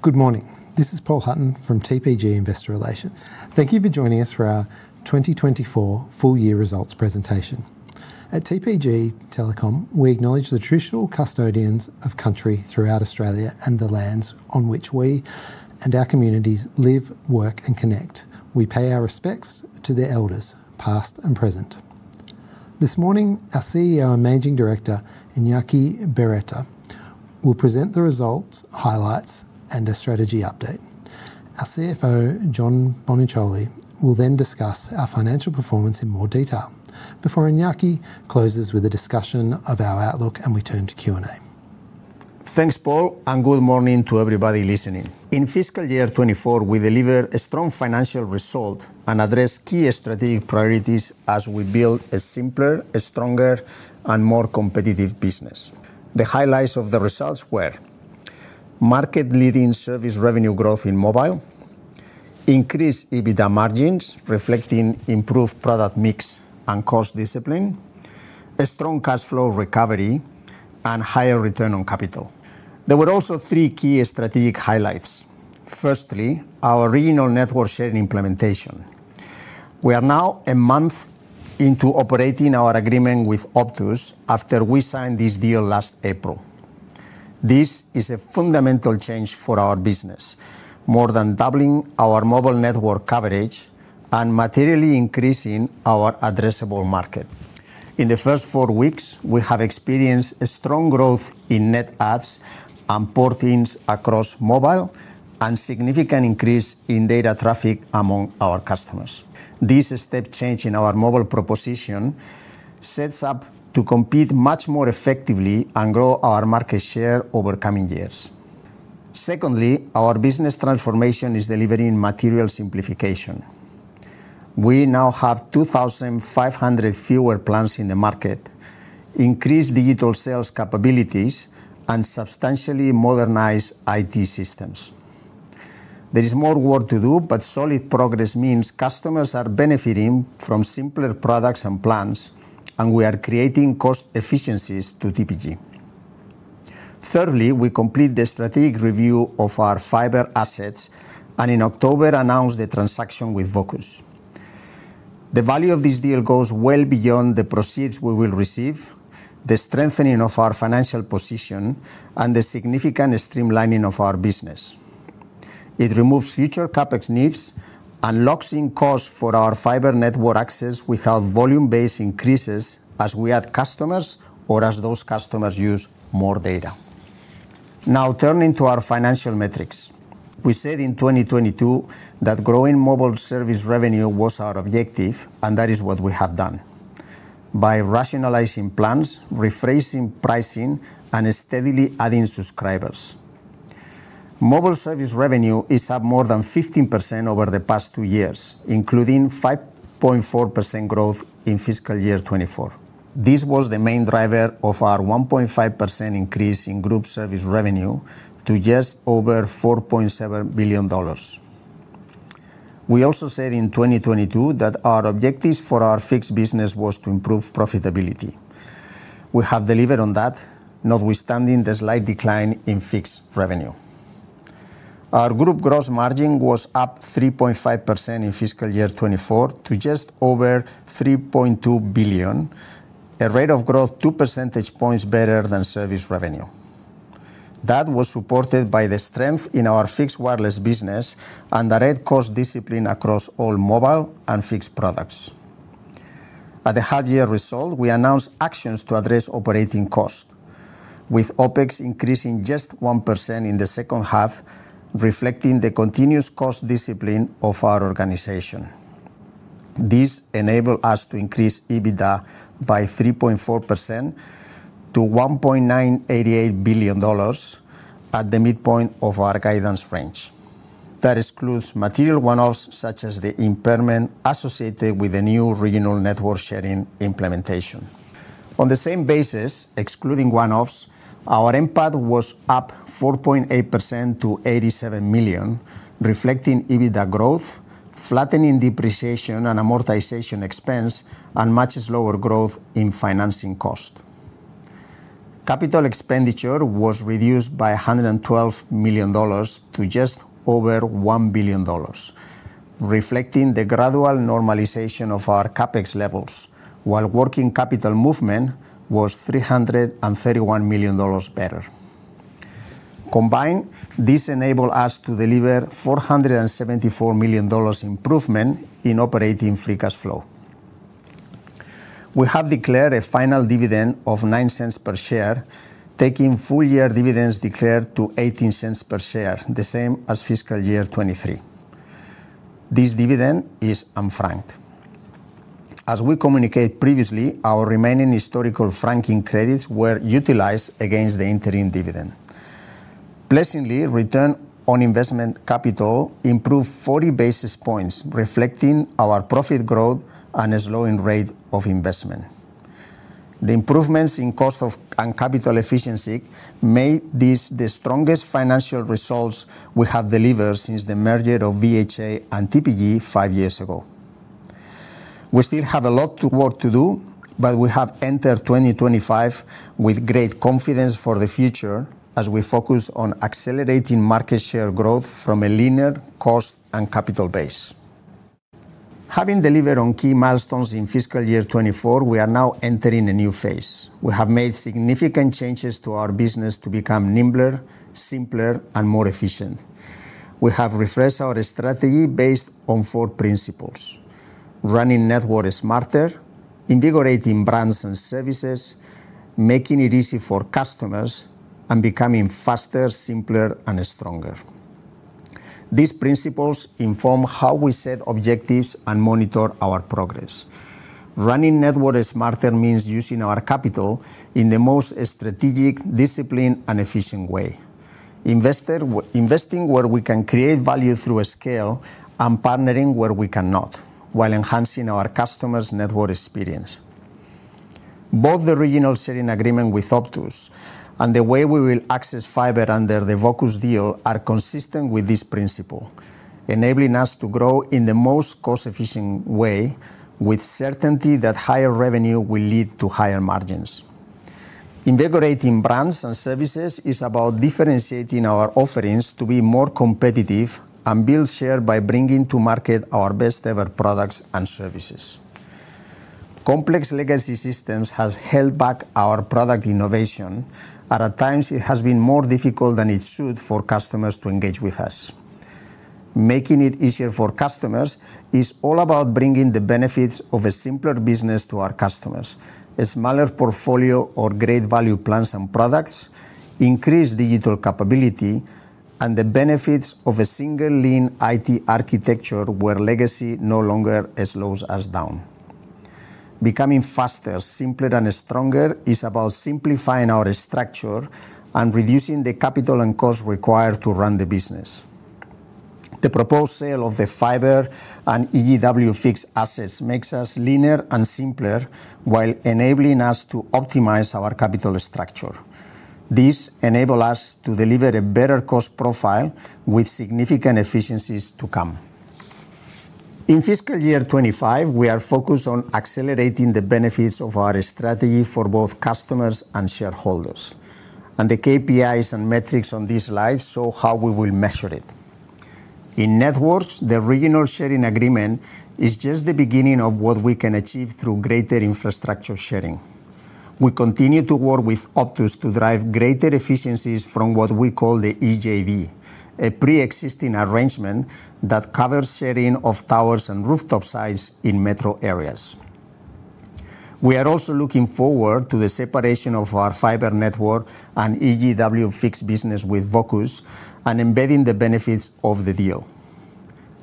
Good morning. This is Paul Hutton from TPG Investor Relations. Thank you for joining us for our 2024 Full-Year Results Presentation. At TPG Telecom, we acknowledge the traditional custodians of country throughout Australia and the lands on which we and our communities live, work, and connect. We pay our respects to their elders, past and present. This morning, our CEO and Managing Director, Iñaki Berroeta, will present the results, highlights, and a strategy update. Our CFO, John Boniciolli, will then discuss our financial performance in more detail. Before Iñaki closes with a discussion of our outlook, and we turn to Q&A. Thanks, Paul, and good morning to everybody listening. In Fiscal Year 2024, we delivered a strong financial result and addressed key strategic priorities as we build a simpler, stronger, and more competitive business. The highlights of the results were market-leading Service Revenue growth in Mobile, increased EBITDA margins reflecting improved product mix and cost discipline, a strong cash flow recovery, and higher return on capital. There were also three key strategic highlights. Firstly, our regional network sharing implementation. We are now a month into operating our agreement with Optus after we signed this deal last April. This is a fundamental change for our business, more than doubling our Mobile network coverage and materially increasing our addressable market. In the first four weeks, we have experienced strong growth in Net Adds and Port-ins across Mobile and a significant increase in data traffic among our customers. This step change in our Mobile proposition sets us up to compete much more effectively and grow our market share over coming years. Secondly, our business transformation is delivering material simplification. We now have 2,500 fewer plans in the market, increased digital sales capabilities, and substantially modernized IT systems. There is more work to do, but solid progress means customers are benefiting from simpler products and plans, and we are creating cost efficiencies to TPG. Thirdly, we complete the strategic review of our Fiber assets and, in October, announced the transaction with Vocus. The value of this deal goes well beyond the proceeds we will receive, the strengthening of our financial position, and the significant streamlining of our business. It removes future CapEx needs, unlocks costs for our Fiber network access without volume-based increases as we add customers or as those customers use more data. Now, turning to our financial metrics, we said in 2022 that growing Mobile Service Revenue was our objective, and that is what we have done by rationalizing plans, rephrasing pricing, and steadily adding subscribers. Mobile Service Revenue is up more than 15% over the past two years, including 5.4% growth in Fiscal Year 2024. This was the main driver of our 1.5% increase in group Service Revenue to just over 4.7 billion dollars. We also said in 2022 that our objectives for our fixed business were to improve profitability. We have delivered on that, notwithstanding the slight decline in fixed revenue. Our Group Gross Margin was up 3.5% in Fiscal Year 2024 to just over 3.2 billion, a rate of growth 2 percentage points better than Service Revenue. That was supported by the strength in our Fixed-Wireless business and the right cost discipline across all Mobile and fixed products. At the Half-Year Result, we announced actions to address operating costs, with OPEX increasing just 1% in Second Half, reflecting the continuous cost discipline of our organization. This enabled us to increase EBITDA by 3.4% to 1.988 billion dollars at the midpoint of our guidance range. That excludes material one-offs such as the impairment associated with the new regional network sharing implementation. On the same basis, excluding one-offs, our EBIT was up 4.8% to 87 million, reflecting EBITDA growth, flattening depreciation and amortization expense, and much slower growth in financing cost. Capital expenditure was reduced by 112 million dollars to just over 1 billion dollars, reflecting the gradual normalization of our CapEx levels, while working capital movement was 331 million dollars better. Combined, this enabled us to deliver 474 million dollars improvement in operating free cash flow. We have declared a final dividend of 0.09 per share, taking full-year dividends declared to 0.18 per share, the same as Fiscal Year 2023. This dividend is unfranked. As we communicated previously, our remaining historical franking credits were utilized against the interim dividend. Pleasingly, return on investment capital improved 40 basis points, reflecting our profit growth and slowing rate of investment. The improvements in cost and capital efficiency made this the strongest financial results we have delivered since the merger of VHA and TPG five years ago. We still have a lot of work to do, but we have entered 2025 with great confidence for the future as we focus on accelerating market share growth from a linear cost and capital base. Having delivered on key milestones in Fiscal Year 2024, we are now entering a new phase. We have made significant changes to our business to become nimbler, simpler, and more efficient. We have refreshed our strategy based on four principles: Running Network Smarter, Invigorating Brands and Services, Making it Easy for Customers, and becoming faster, simpler, and stronger. These principles inform how we set objectives and monitor our progress. Running Network Smarter means using our capital in the most strategic, disciplined, and efficient way, investing where we can create value through scale and partnering where we cannot, while enhancing our customers' network experience. Both the regional sharing agreement with Optus and the way we will access Fiber under the Vocus deal are consistent with this principle, enabling us to grow in the most cost-efficient way, with certainty that higher revenue will lead to higher margins. Invigorating Brands and Services is about differentiating our offerings to be more competitive and build share by bringing to market our best-ever products and services. Complex legacy systems have held back our product innovation, and at times, it has been more difficult than it should for customers to engage with us. Making it Easier for Customers is all about bringing the benefits of a simpler business to our customers: a smaller portfolio or great value plans and products, increased digital capability, and the benefits of a single lean IT architecture where legacy no longer slows us down. Becoming Faster, Simpler, and Stronger is about simplifying our structure and reducing the capital and cost required to run the business. The proposed sale of the Fiber and EG&W fixed assets makes us leaner and simpler while enabling us to optimize our capital structure. This enables us to deliver a better cost profile with significant efficiencies to come. In Fiscal Year 2025, we are focused on accelerating the benefits of our strategy for both customers and shareholders, and the KPIs and metrics on this slide show how we will measure it. In networks, the regional sharing agreement is just the beginning of what we can achieve through greater infrastructure sharing. We continue to work with Optus to drive greater efficiencies from what we call the EJV, a pre-existing arrangement that covers sharing of towers and rooftop sites in metro areas. We are also looking forward to the separation of our Fiber network and EG&W fixed business with Vocus and embedding the benefits of the deal.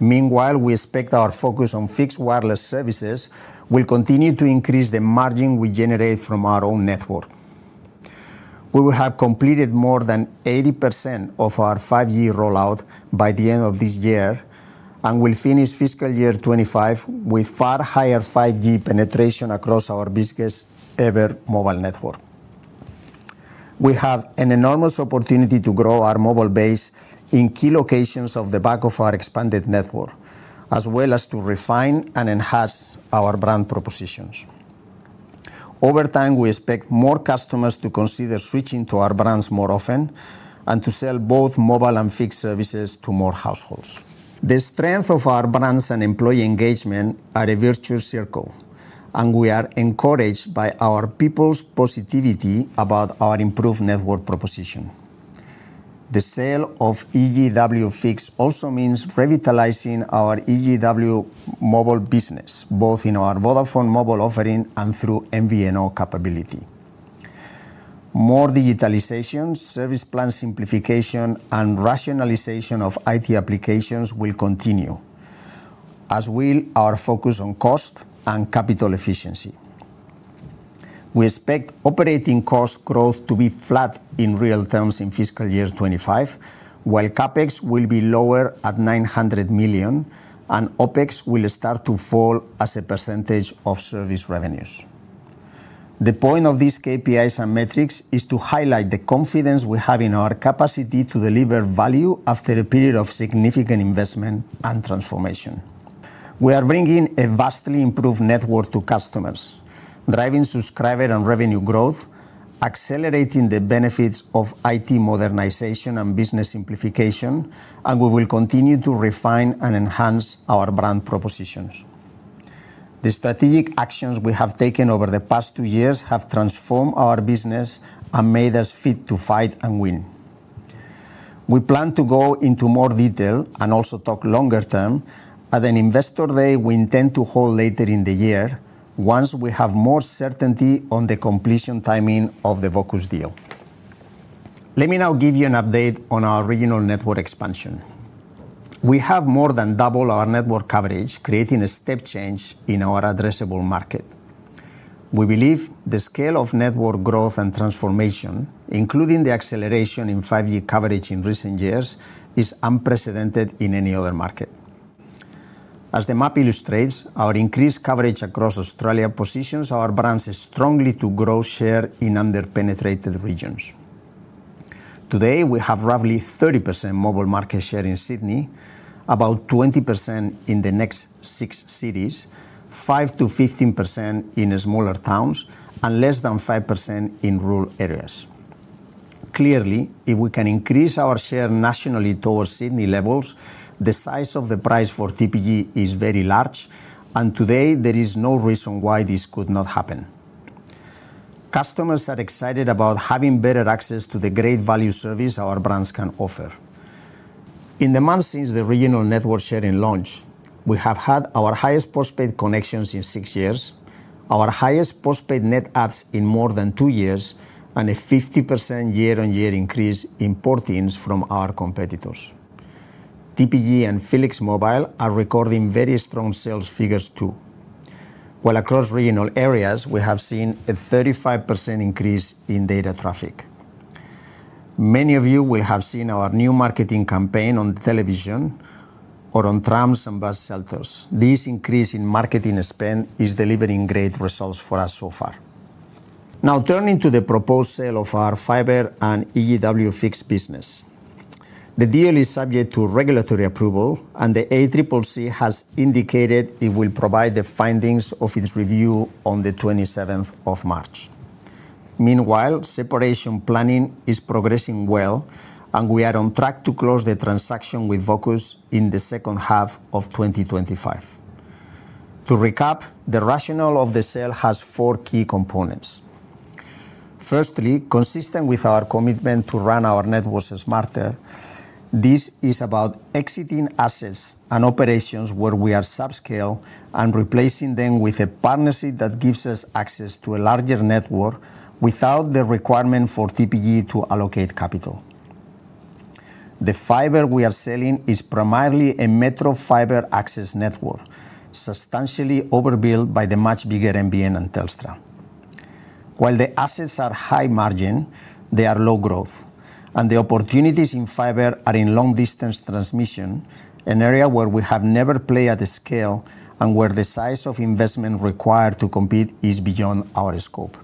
Meanwhile, we expect our focus on Fixed-Wireless services will continue to increase the margin we generate from our own network. We will have completed more than 80% of our five-year rollout by the end of this year and will finish Fiscal Year 2025 with far higher 5G penetration across our entire Mobile network. We have an enormous opportunity to grow our Mobile base in key locations on the back of our expanded network, as well as to refine and enhance our brand propositions. Over time, we expect more customers to consider switching to our brands more often and to sell both Mobile and fixed services to more households. The strength of our brands and employee engagement are a virtuous circle, and we are encouraged by our people's positivity about our improved network proposition. The sale of EG&W fixed also means revitalizing our EG&W Mobile business, both in our Vodafone Mobile offering and through MVNO capability. More Digitalization, service plan simplification, and rationalization of IT applications will continue, as will our focus on cost and capital efficiency. We expect operating cost growth to be flat in real terms in Fiscal Year 2025, while CapEx will be lower at 900 million and OPEX will start to fall as a percentage of Service Revenues. The point of these KPIs and metrics is to highlight the confidence we have in our capacity to deliver value after a period of significant investment and transformation. We are bringing a vastly improved network to customers, driving subscriber and revenue growth, accelerating the benefits of IT modernization and business simplification, and we will continue to refine and enhance our brand propositions. The strategic actions we have taken over the past two years have transformed our business and made us fit to fight and win. We plan to go into more detail and also talk longer term at an investor day we intend to hold later in the year once we have more certainty on the completion timing of the Vocus deal. Let me now give you an update on our regional network expansion. We have more than doubled our network coverage, creating a step change in our addressable market. We believe the scale of network growth and transformation, including the acceleration in 5G coverage in recent years, is unprecedented in any other market. As the map illustrates, our increased coverage across Australia positions our brands strongly to grow share in under-penetrated regions. Today, we have roughly 30% Mobile market share in Sydney, about 20% in the next six cities, 5% to 15% in smaller towns, and less than 5% in rural areas. Clearly, if we can increase our share nationally towards Sydney levels, the size of the price for TPG is very large, and today, there is no reason why this could not happen. Customers are excited about having better access to the great value service our brands can offer. In the months since the regional network sharing launch, we have had our highest postpaid connections in six years, our highest Postpaid Net Adds in more than two years, and a 50% year-on-year increase in Port-ins from our competitors. TPG and Felix Mobile are recording very strong sales figures too, while across regional areas, we have seen a 35% increase in data traffic. Many of you will have seen our new marketing campaign on television or on trams and bus shelters. This increase in marketing spend is delivering great results for us so far. Now, turning to the proposed sale of our Fiber and EG&W fixed business. The deal is subject to regulatory approval, and the ACCC has indicated it will provide the findings of its review on the 27th of March. Meanwhile, separation planning is progressing well, and we are on track to close the transaction with Vocus in Second Half of 2025. To recap, the rationale of the sale has four key components. Firstly, consistent with our commitment to run our networks smarter, this is about exiting assets and operations where we are subscale and replacing them with a partnership that gives us access to a larger network without the requirement for TPG to allocate capital. The Fiber we are selling is primarily a metro Fiber access network, substantially overbuilt by the much bigger NBN and Telstra. While the assets are high margin, they are low growth, and the opportunities in Fiber are in long-distance transmission, an area where we have never played at a scale and where the size of investment required to compete is beyond our scope.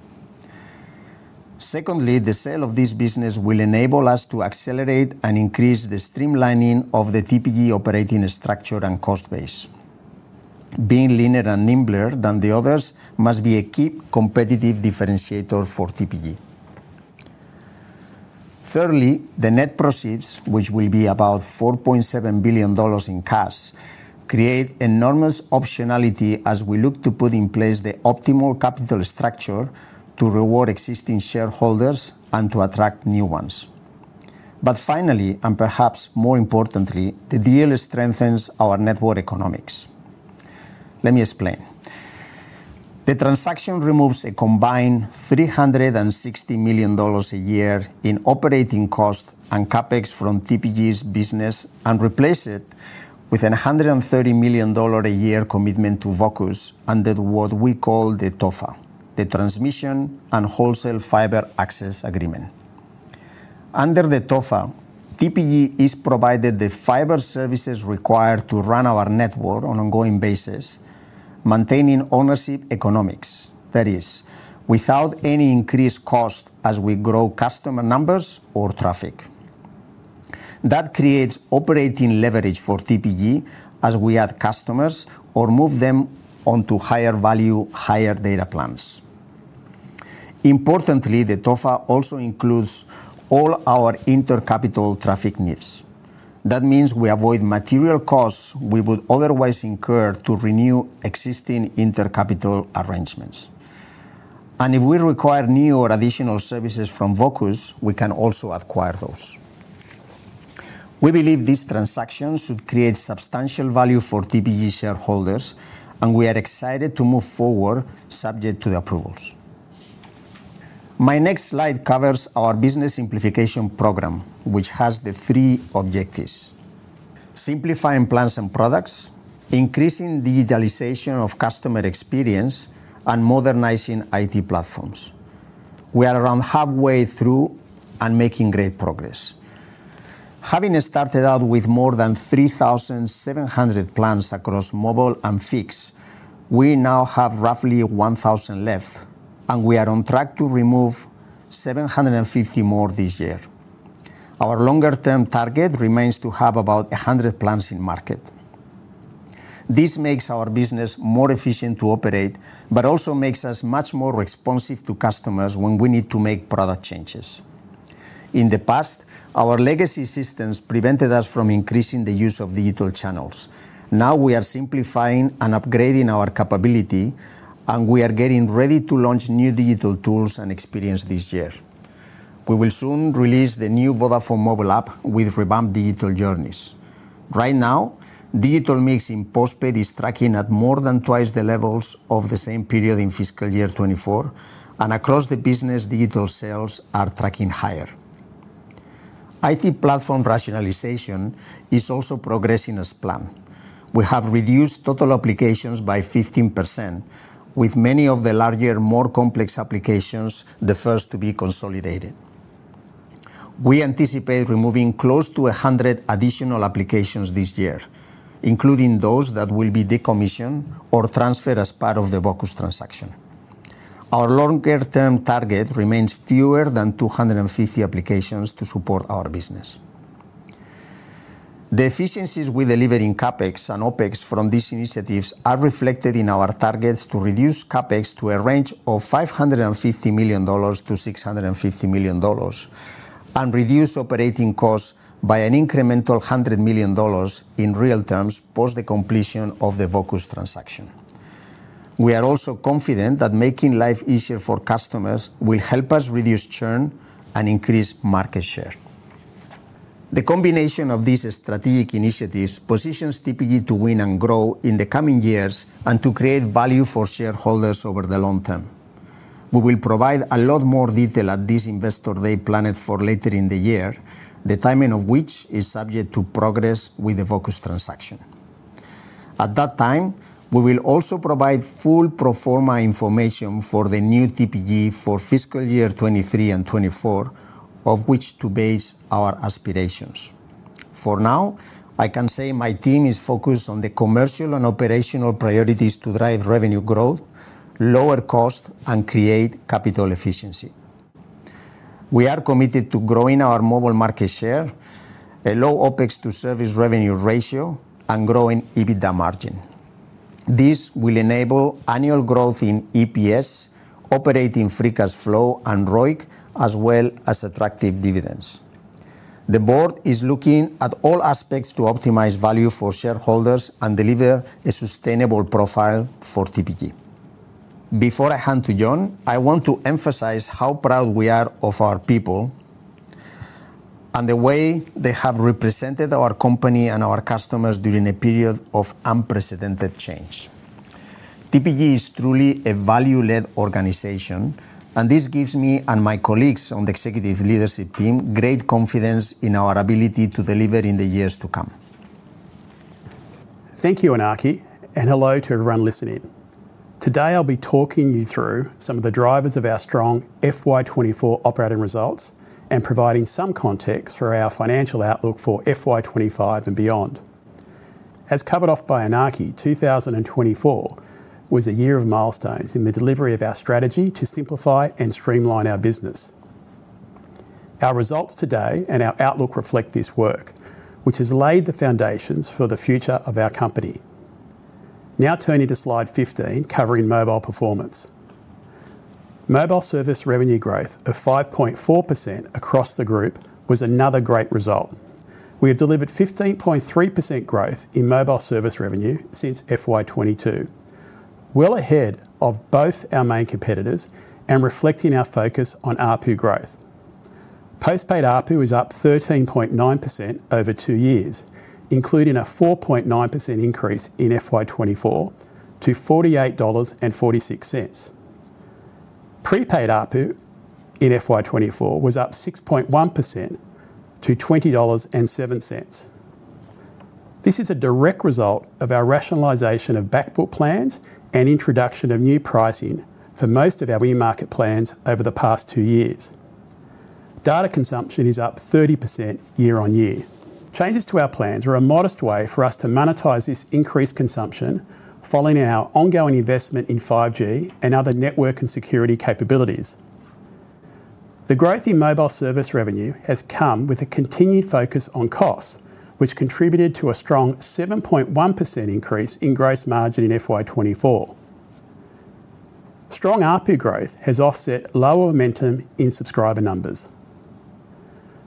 Secondly, the sale of this business will enable us to accelerate and increase the streamlining of the TPG operating structure and cost base. Being leaner and nimbler than the others must be a key competitive differentiator for TPG. Thirdly, the net proceeds, which will be about 4.7 billion dollars in cash, create enormous optionality as we look to put in place the optimal capital structure to reward existing shareholders and to attract new ones. But finally, and perhaps more importantly, the deal strengthens our network economics. Let me explain. The transaction removes a combined 360 million dollars a year in operating cost and CapEx from TPG's business and replaces it with a 130 million dollar a year commitment to Vocus under what we call the TAWFA, the Transmission and Wholesale Fiber Access Agreement. Under the TAWFA, TPG is provided the Fiber services required to run our network on an ongoing basis, maintaining ownership economics, that is, without any increased cost as we grow customer numbers or traffic. That creates operating leverage for TPG as we add customers or move them onto higher value, higher data plans. Importantly, the TAWFA also includes all our intercapital traffic needs. That means we avoid material costs we would otherwise incur to renew existing intercapital arrangements. And if we require new or additional services from Vocus, we can also acquire those. We believe this transaction should create substantial value for TPG shareholders, and we are excited to move forward subject to the approvals. My next slide covers our business simplification program, which has the three objectives: simplifying plans and products, increasing digitalization of customer experience, and modernizing IT platforms. We are around halfway through and making great progress. Having started out with more than 3,700 plans across Mobile and fixed, we now have roughly 1,000 left, and we are on track to remove 750 more this year. Our longer-term target remains to have about 100 plans in market. This makes our business more efficient to operate, but also makes us much more responsive to customers when we need to make product changes. In the past, our legacy systems prevented us from increasing the use of digital channels. Now, we are simplifying and upgrading our capability, and we are getting ready to launch new digital tools and experience this year. We will soon release the new Vodafone Mobile app with revamped digital journeys. Right now, digital mix in postpaid is tracking at more than twice the levels of the same period in Fiscal Year 2024, and across the business, digital sales are tracking higher. IT platform rationalization is also progressing as planned. We have reduced total applications by 15%, with many of the larger, more complex applications the first to be consolidated. We anticipate removing close to 100 additional applications this year, including those that will be decommissioned or transferred as part of the Vocus transaction. Our longer-term target remains fewer than 250 applications to support our business. The efficiencies we deliver in CapEx and OPEX from these initiatives are reflected in our targets to reduce CapEx to a range of 550 million-650 million dollars and reduce operating costs by an incremental 100 million dollars in real terms post the completion of the Vocus transaction. We are also confident that making life easier for customers will help us reduce churn and increase market share. The combination of these strategic initiatives positions TPG to win and grow in the coming years and to create value for shareholders over the long term. We will provide a lot more detail at this investor day planned for later in the year, the timing of which is subject to progress with the Vocus transaction. At that time, we will also provide full pro forma information for the new TPG for Fiscal Year 2023 and 2024, of which to base our aspirations. For now, I can say my team is focused on the commercial and operational priorities to drive revenue growth, lower cost, and create capital efficiency. We are committed to growing our Mobile market share, a low OPEX to Service Revenue ratio, and growing EBITDA margin. This will enable annual growth in EPS, operating free cash flow, and ROIC, as well as attractive dividends. The board is looking at all aspects to optimize value for shareholders and deliver a sustainable profile for TPG. Before I hand to John, I want to emphasize how proud we are of our people and the way they have represented our company and our customers during a period of unprecedented change. TPG is truly a value-led organization, and this gives me and my colleagues on the executive leadership team great confidence in our ability to deliver in the years to come. Thank you, Iñaki, and hello to everyone listening. Today, I'll be talking you through some of the drivers of our strong FY 2024 operating results and providing some context for our financial outlook for FY 2025 and beyond. As covered off by Iñaki, 2024 was a year of milestones in the delivery of our strategy to simplify and streamline our business. Our results today and our outlook reflect this work, which has laid the foundations for the future of our company. Now, turning to slide 15, covering Mobile performance. Mobile Service Revenue growth of 5.4% across the group was another great result. We have delivered 15.3% growth in Mobile Service Revenue since FY 2022, well ahead of both our main competitors and reflecting our focus on ARPU growth. Postpaid ARPU is up 13.9% over two years, including a 4.9% increase in FY 2024 to 48.46 dollars. Prepaid ARPU in FY 2024 was up 6.1% to 20.07 dollars. This is a direct result of our rationalization of backbook plans and introduction of new pricing for most of our e-market plans over the past two years. Data consumption is up 30% year-on-year. Changes to our plans are a modest way for us to monetize this increased consumption following our ongoing investment in 5G and other network and security capabilities. The growth in Mobile Service Revenue has come with a continued focus on costs, which contributed to a strong 7.1% increase in gross margin in FY 2024. Strong ARPU growth has offset lower momentum in subscriber numbers.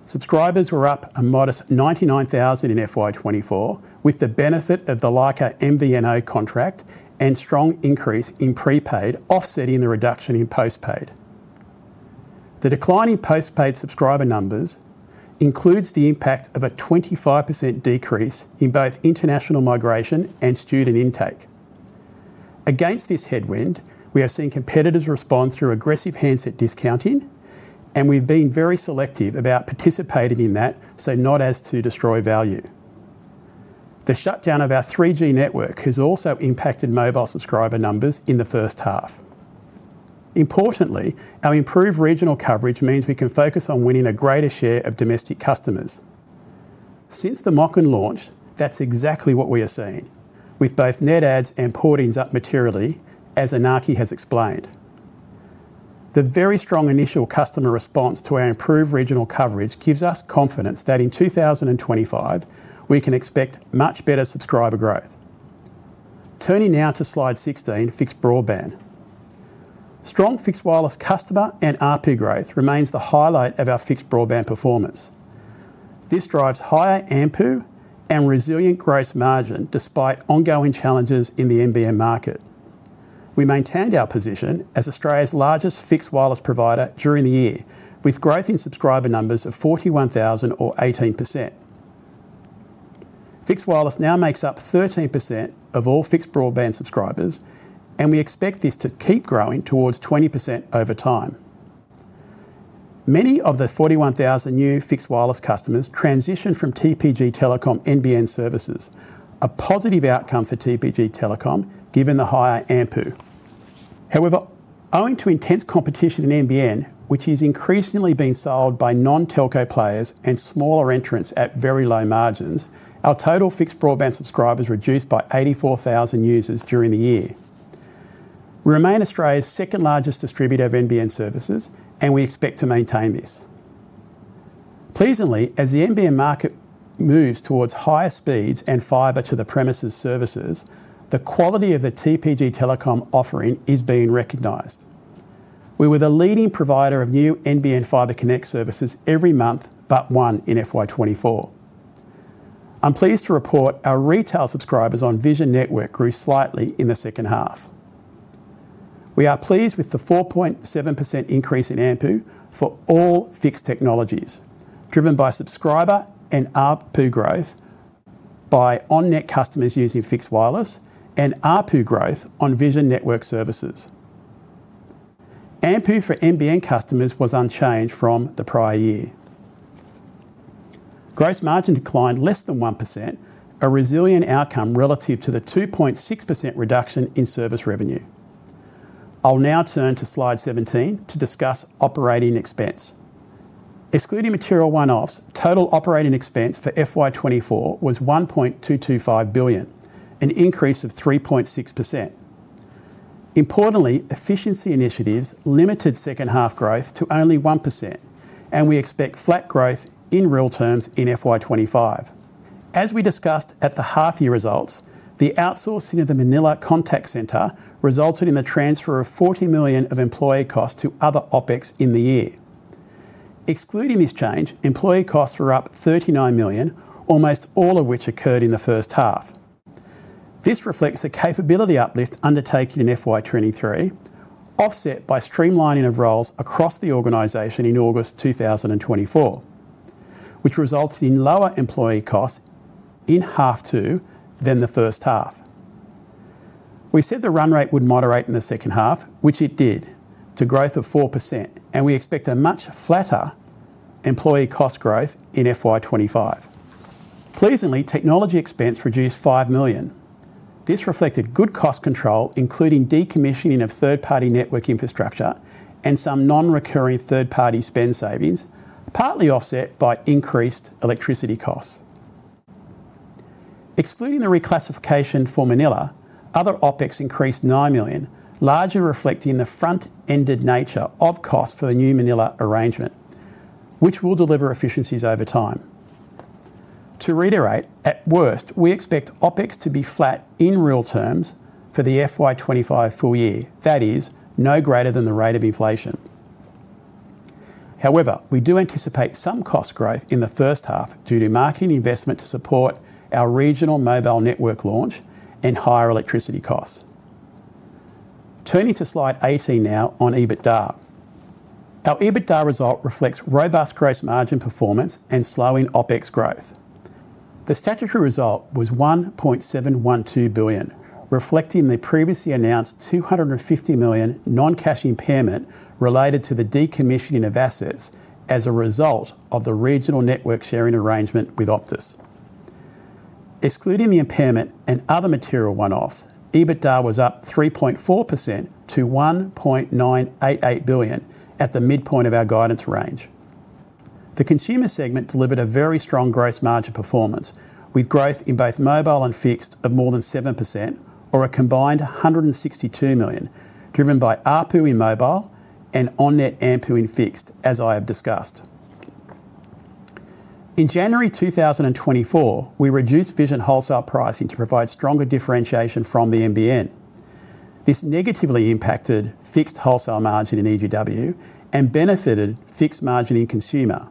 Subscribers were up a modest 99,000 in FY 2024, with the benefit of the Lyca MVNO contract and strong increase in prepaid, offsetting the reduction in postpaid. The decline in postpaid subscriber numbers includes the impact of a 25% decrease in both international migration and student intake. Against this headwind, we have seen competitors respond through aggressive handset discounting, and we've been very selective about participating in that, so not as to destroy value. The shutdown of our 3G network has also impacted Mobile subscriber numbers in the First Half. Importantly, our improved regional coverage means we can focus on winning a greater share of domestic customers. Since the MOCN launched, that's exactly what we are seeing, with both Net Adds and Port-ins up materially, as Iñaki has explained. The very strong initial customer response to our improved regional coverage gives us confidence that in 2025, we can expect much better subscriber growth. Turning now to slide 16, fixed broadband. Strong Fixed-Wireless customer and ARPU growth remains the highlight of our fixed broadband performance. This drives higher AMPU and resilient gross margin despite ongoing challenges in the NBN market. We maintained our position as Australia's largest Fixed-Wireless provider during the year, with growth in subscriber numbers of 41,000 or 18%. Fixed-Wireless now makes up 13% of all fixed broadband subscribers, and we expect this to keep growing towards 20% over time. Many of the 41,000 new Fixed-Wireless customers transitioned from TPG Telecom NBN services, a positive outcome for TPG Telecom given the higher AMPU. However, owing to intense competition in NBN, which is increasingly being sold by non-Telco players and smaller entrants at very low margins, our total fixed broadband subscribers reduced by 84,000 users during the year. We remain Australia's second-largest distributor of NBN services, and we expect to maintain this. Pleasantly, as the NBN market moves towards higher speeds and Fiber to the premises services, the quality of the TPG Telecom offering is being recognized. We were the leading provider of new NBN Fiber Connect services every month, but one in FY24. I'm pleased to report our retail subscribers on Vision Network grew slightly in Second Half. we are pleased with the 4.7% increase in AMPU for all fixed technologies, driven by subscriber and ARPU growth by on-net customers using Fixed-Wireless and ARPU growth on Vision Network Services. AMPU for NBN customers was unchanged from the prior year. Gross margin declined less than 1%, a resilient outcome relative to the 2.6% reduction in Service Revenue. I'll now turn to slide 17 to discuss operating expense. Excluding material one-offs, total operating expense for FY 2024 was 1.225 billion, an increase of 3.6%. Importantly, efficiency initiatives limited second-half growth to only 1%, and we expect flat growth in real terms in FY 2025. As we discussed at the half-year results, the outsourcing of the Manila Contact Center resulted in the transfer of 40 million of employee costs to other OPEX in the year. Excluding this change, employee costs were up 39 million, almost all of which occurred in the First Half. This reflects the capability uplift undertaken in FY 2023, offset by streamlining of roles across the organization in August 2024, which resulted in lower employee costs in half two than the First Half. We said the run rate would moderate in Second Half, which it did, to growth of 4%, and we expect a much flatter employee cost growth in FY 2025. Pleasantly, technology expense reduced 5 million. This reflected good cost control, including decommissioning of third-party network infrastructure and some non-recurring third-party spend savings, partly offset by increased electricity costs. Excluding the reclassification for Manila, other OPEX increased 9 million, largely reflecting the front-ended nature of costs for the new Manila arrangement, which will deliver efficiencies over time. To reiterate, at worst, we expect OPEX to be flat in real terms for the FY 2025 full year, that is, no greater than the rate of inflation. However, we do anticipate some cost growth in the First Half due to marketing investment to support our regional Mobile network launch and higher electricity costs. Turning to slide 18 now on EBITDA. Our EBITDA result reflects robust gross margin performance and slowing OPEX growth. The statutory result was 1.712 billion, reflecting the previously announced 250 million non-cash impairment related to the decommissioning of assets as a result of the regional network sharing arrangement with Optus. Excluding the impairment and other material one-offs, EBITDA was up 3.4% to 1.988 billion at the midpoint of our guidance range. The consumer segment delivered a very strong gross margin performance, with growth in both Mobile and fixed of more than 7%, or a combined 162 million, driven by ARPU in Mobile and on-net AMPU in fixed, as I have discussed. In January 2024, we reduced Vision wholesale pricing to provide stronger differentiation from the NBN. This negatively impacted fixed wholesale margin in EG&W and benefited fixed margin in consumer.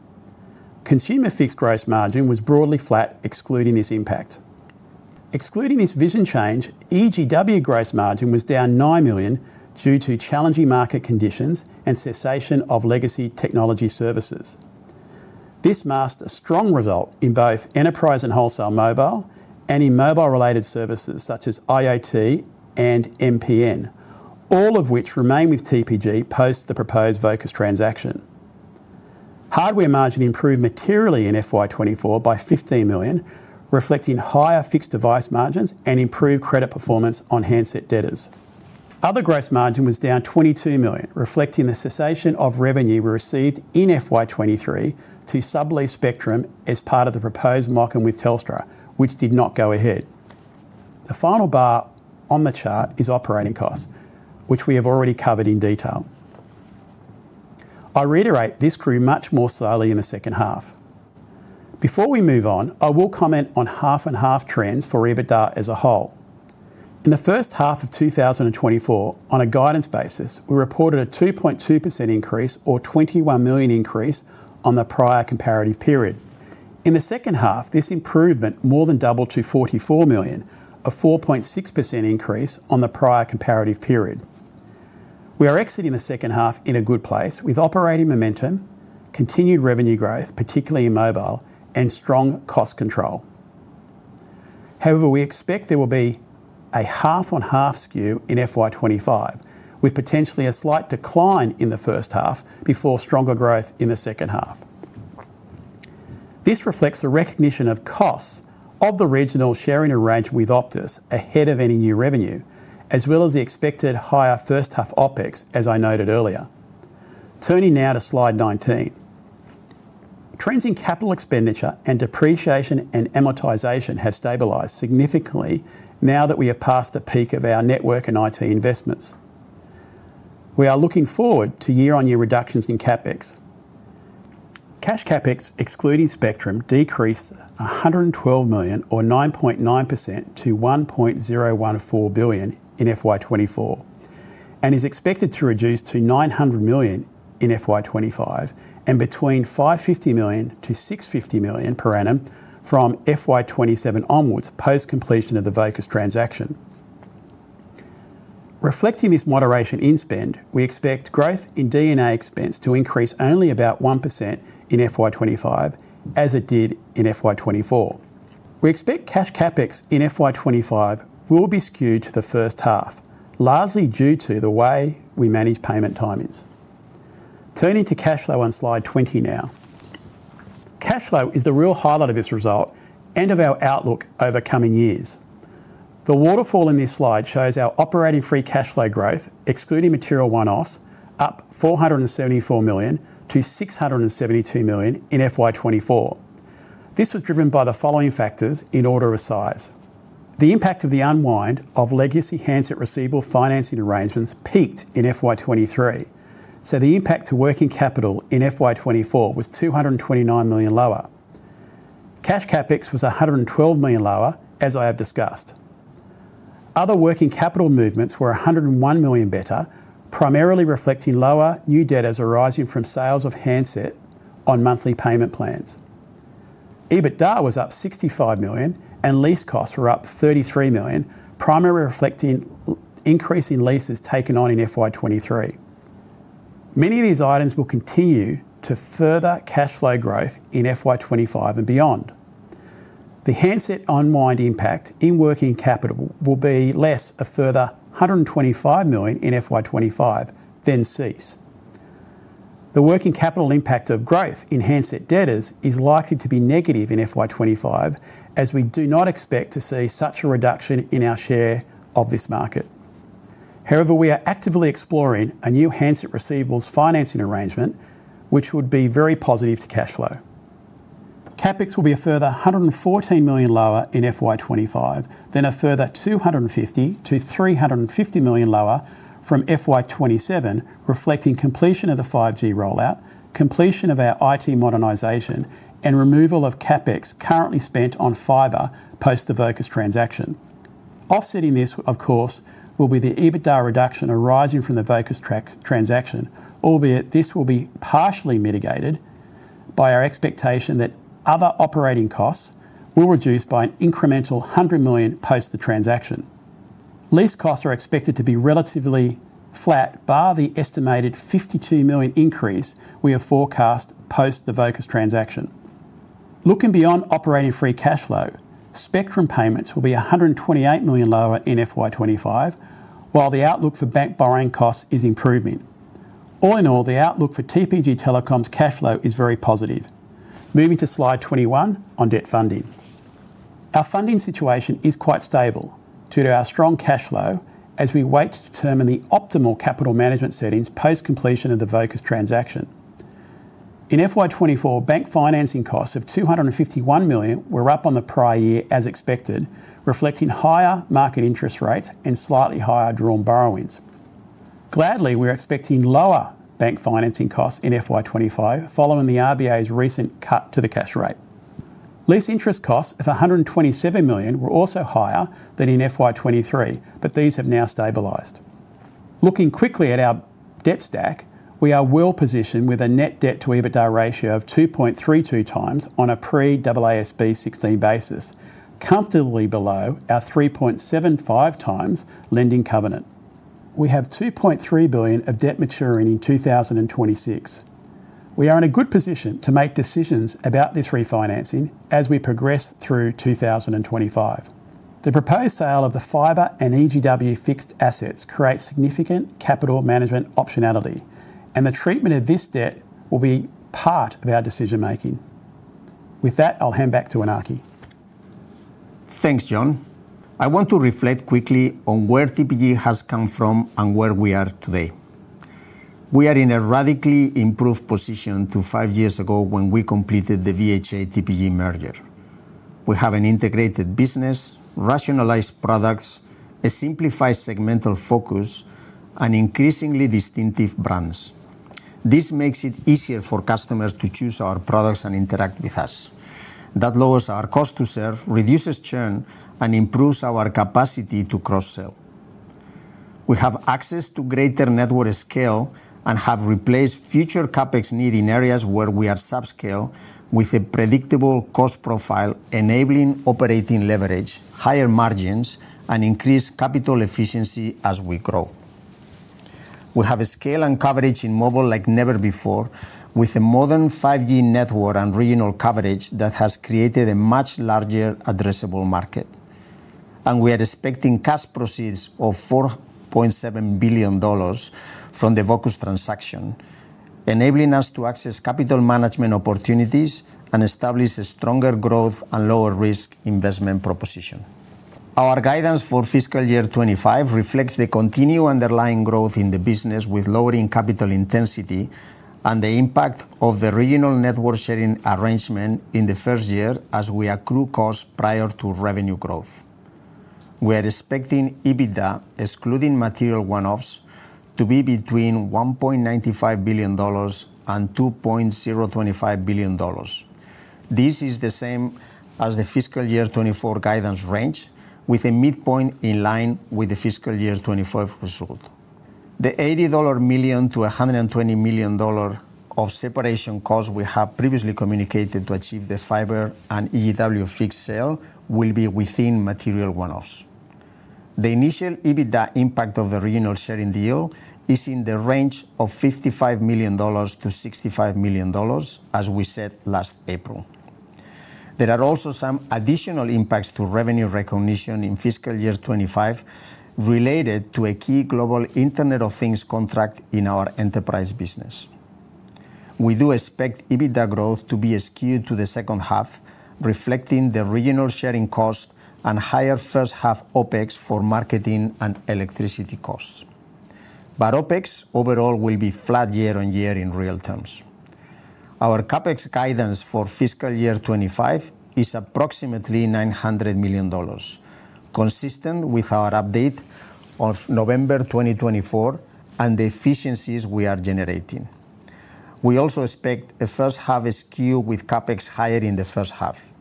Consumer fixed gross margin was broadly flat, excluding this impact. Excluding this vision change, EG&W gross margin was down 9 million due to challenging market conditions and cessation of legacy technology services. This masked a strong result in both enterprise and wholesale Mobile and in Mobile-related services such as IoT and MPN, all of which remain with TPG post the proposed Vocus transaction. Hardware margin improved materially in FY 2024 by 15 million, reflecting higher fixed device margins and improved credit performance on handset debtors. Other gross margin was down 22 million, reflecting the cessation of revenue we received in FY 2023 to sublease Spectrum as part of the proposed MOCN with Telstra, which did not go ahead. The final bar on the chart is operating costs, which we have already covered in detail. I reiterate this grew much more slowly in Second Half. before we move on, I will comment on half-and-half trends for EBITDA as a whole. In the First Half of 2024, on a guidance basis, we reported a 2.2% increase or 21 million increase on the prior comparative period. In Second Half, this improvement more than doubled to 44 million, a 4.6% increase on the prior comparative period. We are exiting Second Half in a good place with operating momentum, continued revenue growth, particularly in Mobile, and strong cost control. However, we expect there will be a half-on-half skew in FY 2025, with potentially a slight decline in the First Half before stronger growth in Second Half. this reflects the recognition of costs of the regional sharing arrangement with Optus ahead of any new revenue, as well as the expected higher first-half OPEX, as I noted earlier. Turning now to slide 19. Trends in capital expenditure and depreciation and amortization have stabilized significantly now that we have passed the peak of our network and IT investments. We are looking forward to year-on-year reductions in CapEx. Cash CapEx, excluding Spectrum, decreased 112 million or 9.9% to 1.014 billion in FY 2024 and is expected to reduce to 900 million in FY 2025 and between 550 million-650 million per annum from FY 2027 onwards post completion of the Vocus transaction. Reflecting this moderation in spend, we expect growth in D&A expense to increase only about 1% in FY 2025, as it did in FY 2024. We expect cash CapEx in FY 2025 will be skewed to the First Half, largely due to the way we manage payment timings. Turning to cash flow on slide 20 now. Cash flow is the real highlight of this result and of our outlook over coming years. The waterfall in this slide shows our operating free cash flow growth, excluding material one-offs, up 474 million to 672 million in FY 2024. This was driven by the following factors in order of size. The impact of the unwind of legacy handset receivable financing arrangements peaked in FY 2023, so the impact to working capital in FY 2024 was 229 million lower. Cash CapEx was 112 million lower, as I have discussed. Other working capital movements were 101 million better, primarily reflecting lower new debtors arising from sales of handsets on monthly payment plans. EBITDA was up 65 million, and lease costs were up 33 million, primarily reflecting increase in leases taken on in FY 2023. Many of these items will continue to further cash flow growth in FY 2025 and beyond. The handset unwind impact in working capital will be a further 125 million less in FY 2025 and then cease. The working capital impact of growth in handset debtors is likely to be negative in FY 2025, as we do not expect to see such a reduction in our share of this market. However, we are actively exploring a new handset receivables financing arrangement, which would be very positive to cash flow. CapEx will be a further 114 million lower in FY 2025 than a further 250 million-350 million lower from FY 2027, reflecting completion of the 5G rollout, completion of our IT modernization, and removal of CapEx currently spent on Fiber post the Vocus transaction. Offsetting this, of course, will be the EBITDA reduction arising from the Vocus transaction, albeit this will be partially mitigated by our expectation that other operating costs will reduce by an incremental 100 million post the transaction. Lease costs are expected to be relatively flat, bar the estimated 52 million increase we have forecast post the Vocus transaction. Looking beyond operating free cash flow, Spectrum payments will be 128 million lower in FY 2025, while the outlook for bank borrowing costs is improving. All in all, the outlook for TPG Telecom's cash flow is very positive. Moving to slide 21 on debt funding. Our funding situation is quite stable due to our strong cash flow as we wait to determine the optimal capital management settings post completion of the Vocus transaction. In FY 2024, bank financing costs of 251 million were up on the prior year as expected, reflecting higher market interest rates and slightly higher drawn borrowings. Gladly, we're expecting lower bank financing costs in FY 2025 following the RBA's recent cut to the cash rate. Lease interest costs of 127 million were also higher than in FY 2023, but these have now stabilized. Looking quickly at our debt stack, we are well positioned with a net debt to EBITDA ratio of 2.32x on a pre-AASB 16 basis, comfortably below our 3.75x lending covenant. We have 2.3 billion of debt maturing in 2026. We are in a good position to make decisions about this refinancing as we progress through 2025. The proposed sale of the Fiber and EG&W fixed assets creates significant capital management optionality, and the treatment of this debt will be part of our decision-making. With that, I'll hand back to Iñaki. Thanks, John. I want to reflect quickly on where TPG has come from and where we are today. We are in a radically improved position to five years ago when we completed the VHA-TPG merger. We have an integrated business, rationalized products, a simplified segmental focus, and increasingly distinctive brands. This makes it easier for customers to choose our products and interact with us. That lowers our cost to serve, reduces churn, and improves our capacity to cross-sell. We have access to greater network scale and have replaced future CapEx need in areas where we are subscale with a predictable cost profile, enabling operating leverage, higher margins, and increased capital efficiency as we grow. We have a scale and coverage in Mobile like never before, with a modern 5G network and regional coverage that has created a much larger addressable market. And we are expecting cash proceeds of 4.7 billion dollars from the Vocus transaction, enabling us to access capital management opportunities and establish a stronger growth and lower risk investment proposition. Our guidance for Fiscal Year 2025 reflects the continued underlying growth in the business with lowering capital intensity and the impact of the regional network sharing arrangement in the first year as we accrue costs prior to revenue growth. We are expecting EBITDA, excluding material one-offs, to be between 1.95 billion dollars and 2.025 billion dollars. This is the same as the Fiscal Year 2024 guidance range, with a midpoint in line with the Fiscal Year 2025 result. The 80 million-120 million dollar of separation costs we have previously communicated to achieve the Fiber and EG&W fixed sale will be within material one-offs. The initial EBITDA impact of the regional sharing deal is in the range of 55 million-65 million dollars, as we said last April. There are also some additional impacts to revenue recognition in Fiscal Year 2025 related to a key global Internet of Things contract in our enterprise business. We do expect EBITDA growth to be skewed to Second Half, reflecting the regional sharing costs and higher first-half OPEX for marketing and electricity costs. But OPEX overall will be flat year on year in real terms. Our CapEx guidance for Fiscal Year 2025 is approximately 900 million dollars, consistent with our update of November 2024 and the efficiencies we are generating. We also expect a first-half skew with CapEx higher in the First Half.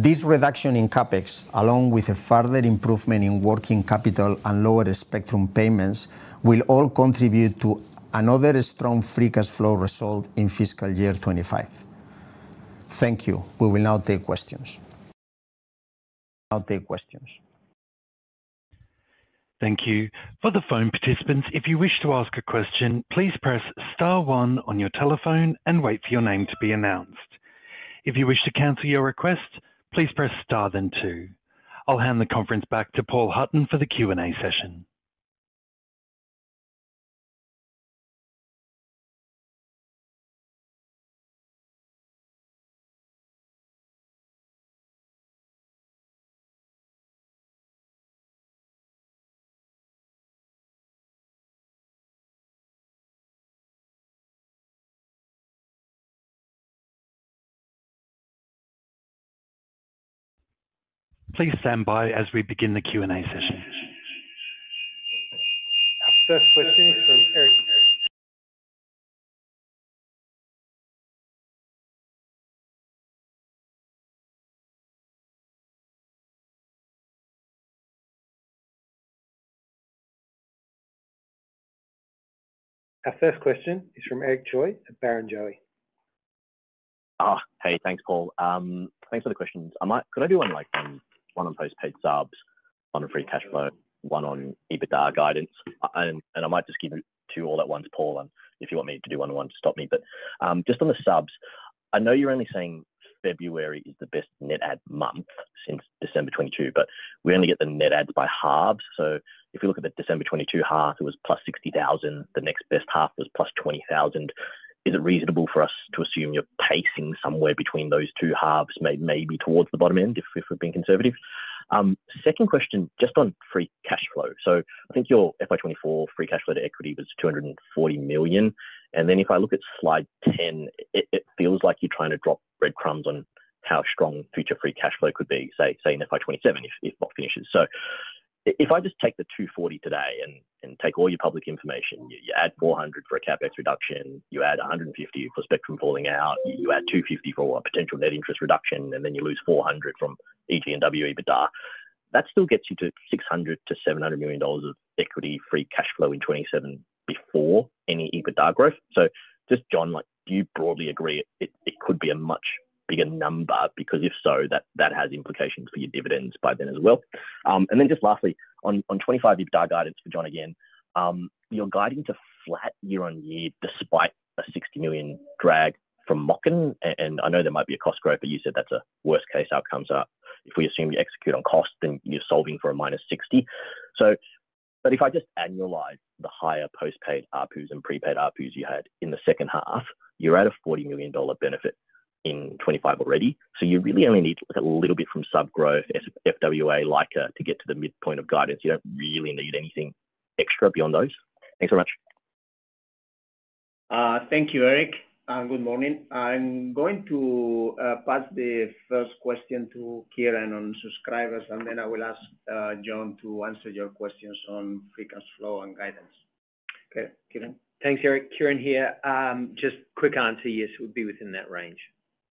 This reduction in CapEx, along with a further improvement in working capital and lower Spectrum payments, will all contribute to another strong free cash flow result in Fiscal Year 2025. Thank you. We will now take questions. Thank you. For the phone participants, if you wish to ask a question, please press star one on your telephone and wait for your name to be announced. If you wish to cancel your request, please press star then two. I'll hand the conference back to Paul Hutton for the Q&A session. Please stand by as we begin the Q&A session. Our first question is from Eric Choi at Barrenjoey. Hey, thanks, Paul. Thanks for the questions. Could I do one on postpaid subs, one on free cash flow, one on EBITDA Guidance, and I might just give it to you all at once, Paul, if you want me to do one-on-one to stop me. But just on the subs, I know you're only saying February is the best net add month since December 2022, but we only get the Net Adds by halves. So if we look at the December 2022 half, it was +60,000. The next best half was +20,000. Is it reasonable for us to assume you're pacing somewhere between those two halves, maybe towards the bottom end if we've been conservative? Second question, just on free cash flow. So I think your FY 2024 free cash flow to equity was 240 million. And then if I look at slide 10, it feels like you're trying to drop breadcrumbs on how strong future free cash flow could be, say, in FY 2027 if what finishes. So if I just take the 240 today and take all your public information, you add 400 for a CapEx reduction, you add 150 for Spectrum falling out, you add 250 for a potential net interest reduction, and then you lose 400 from EG&W EBITDA. That still gets you to 600 million-700 million dollars of equity free cash flow in 2027 before any EBITDA growth. So just, John, do you broadly agree it could be a much bigger number? Because if so, that has implications for your dividends by then as well. And then just lastly, on 2025 EBITDA Guidance for John again, you're guiding to flat year on year despite a 60 million drag from MOCN. I know there might be a cost growth, but you said that's a worst-case outcome. So if we assume you execute on cost, then you're solving for a minus 60. But if I just annualize the higher postpaid ARPUs and prepaid ARPUs you had in Second Half, you're at a 40 million dollar benefit in 2025 already. So you really only need a little bit from sub growth, FWA, Lyca to get to the midpoint of guidance. You don't really need anything extra beyond those. Thanks very much. Thank you, Eric. Good morning. I'm going to pass the first question to Kieren on subscribers, and then I will ask John to answer your questions on free cash flow and guidance. Okay, Kieren? Thanks, Eric. Kieren here. Just quick answer, yes, it would be within that range.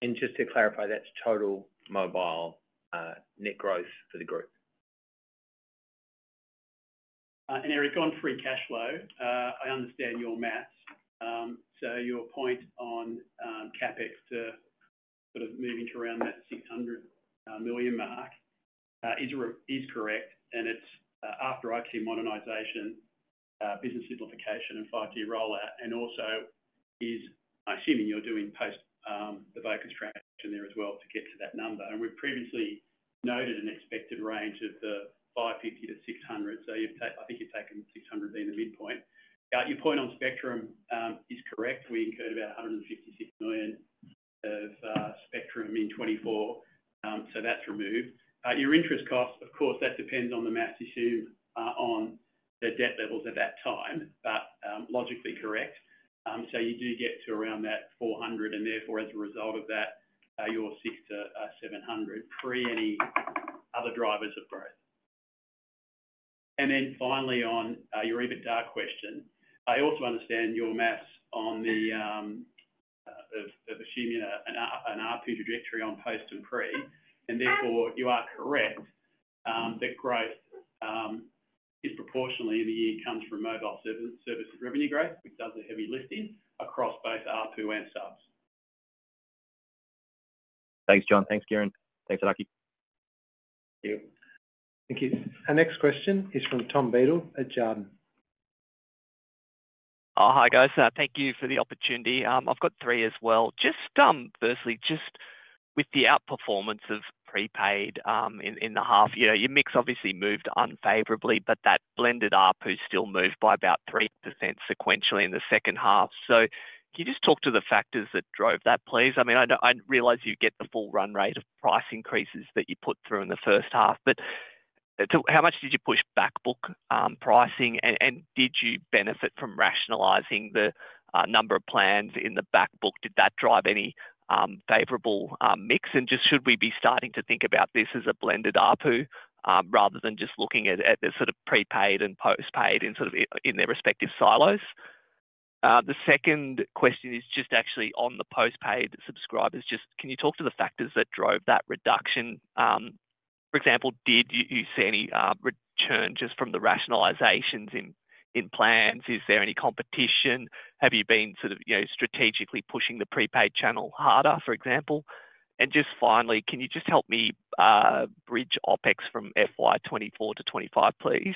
And just to clarify, that's total Mobile net growth for the group. And Eric, on free cash flow, I understand your math. So your point on CapEx to sort of moving to around that 600 million mark is correct. And it's after IT modernization, business simplification, and 5G rollout. And also, I'm assuming you're doing post the Vocus transaction there as well to get to that number. And we've previously noted an expected range of the 550 million -600 million. So I think you've taken 600 million being the midpoint. Your point on Spectrum is correct. We incurred about 156 million of Spectrum in 2024. So that's removed. Your interest cost, of course, that depends on the assumptions on the debt levels at that time, but logically correct. So you do get to around that 400. And therefore, as a result of that, you're 600 million- 700 million pre any other drivers of growth. And then finally, on your EBITDA question, I also understand your math on the assuming an ARPU trajectory on post and pre. And therefore, you are correct that growth disproportionately in the year comes from Mobile Service Revenue growth, which does the heavy lifting across both ARPU and subs. Thanks, John. Thanks, Kieren. Thanks, Iñaki. Thank you. Thank you. Our next question is from Tom Beadle at Jarden. Hi, guys. Thank you for the opportunity. I've got three as well. Just firstly, just with the outperformance of prepaid in the half year, your mix obviously moved unfavorably, but that blended ARPU still moved by about 3% sequentially in Second Half. so can you just talk to the factors that drove that, please? I mean, I realize you get the full run rate of price increases that you put through in the First Half, but how much did you push backbook pricing? And did you benefit from rationalizing the number of plans in the backbook? Did that drive any favorable mix? And just should we be starting to think about this as a blended ARPU rather than just looking at the sort of prepaid and postpaid in their respective silos? The second question is just actually on the postpaid subscribers. Just can you talk to the factors that drove that reduction? For example, did you see any return just from the rationalizations in plans? Is there any competition? Have you been sort of strategically pushing the prepaid channel harder, for example? And just finally, can you just help me bridge OPEX from FY 2024 to FY 2025, please?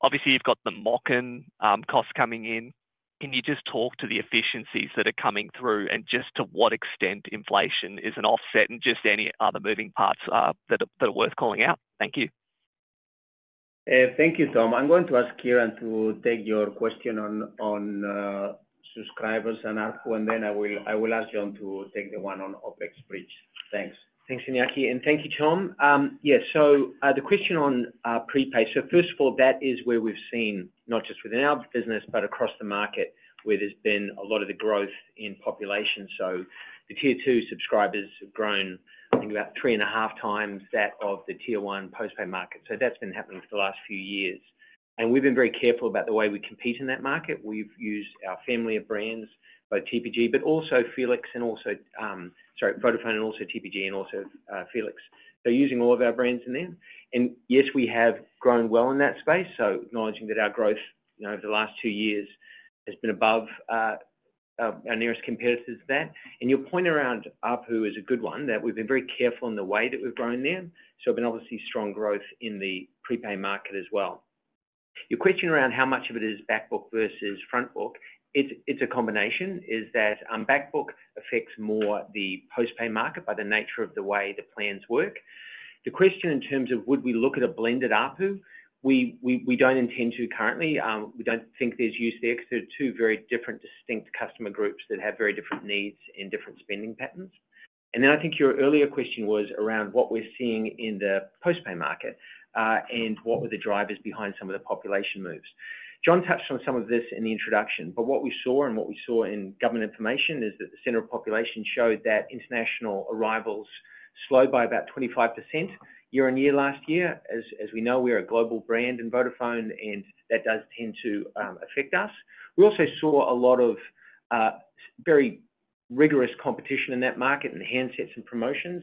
Obviously, you've got the MOCN costs coming in. Can you just talk to the efficiencies that are coming through and just to what extent inflation is an offset and just any other moving parts that are worth calling out? Thank you. Thank you, Tom. I'm going to ask Kieren to take your question on subscribers and ARPU, and then I will ask John to take the one on OPEX bridge. Thanks. Thanks, Iñaki. And thank you, Tom. Yeah, so the question on prepaid. So first of all, that is where we've seen, not just within our business, but across the market, where there's been a lot of the growth in population. So the Tier 2 subscribers have grown, I think, about three and a half times that of the Tier 1 postpaid market. So that's been happening for the last few years. We've been very careful about the way we compete in that market. We've used our family of brands, both TPG, but also Felix, and also, sorry, Vodafone, and also TPG, and also Felix. They're using all of our brands in there. And yes, we have grown well in that space, acknowledging that our growth over the last two years has been above our nearest competitors to that. And your point around ARPU is a good one, that we've been very careful in the way that we've grown there. So we've been obviously strong growth in the prepaid market as well. Your question around how much of it is backbook versus frontbook, it's a combination, in that backbook affects more the postpaid market by the nature of the way the plans work. The question in terms of would we look at a blended ARPU, we don't intend to currently. We don't think there's use there. There are two very different distinct customer groups that have very different needs and different spending patterns. Then I think your earlier question was around what we're seeing in the postpaid market and what were the drivers behind some of the population moves. John touched on some of this in the introduction, but what we saw and what we saw in government information is that the center of population showed that international arrivals slowed by about 25% year-on-year last year. As we know, we're a global brand in Vodafone, and that does tend to affect us. We also saw a lot of very rigorous competition in that market and handsets and promotions.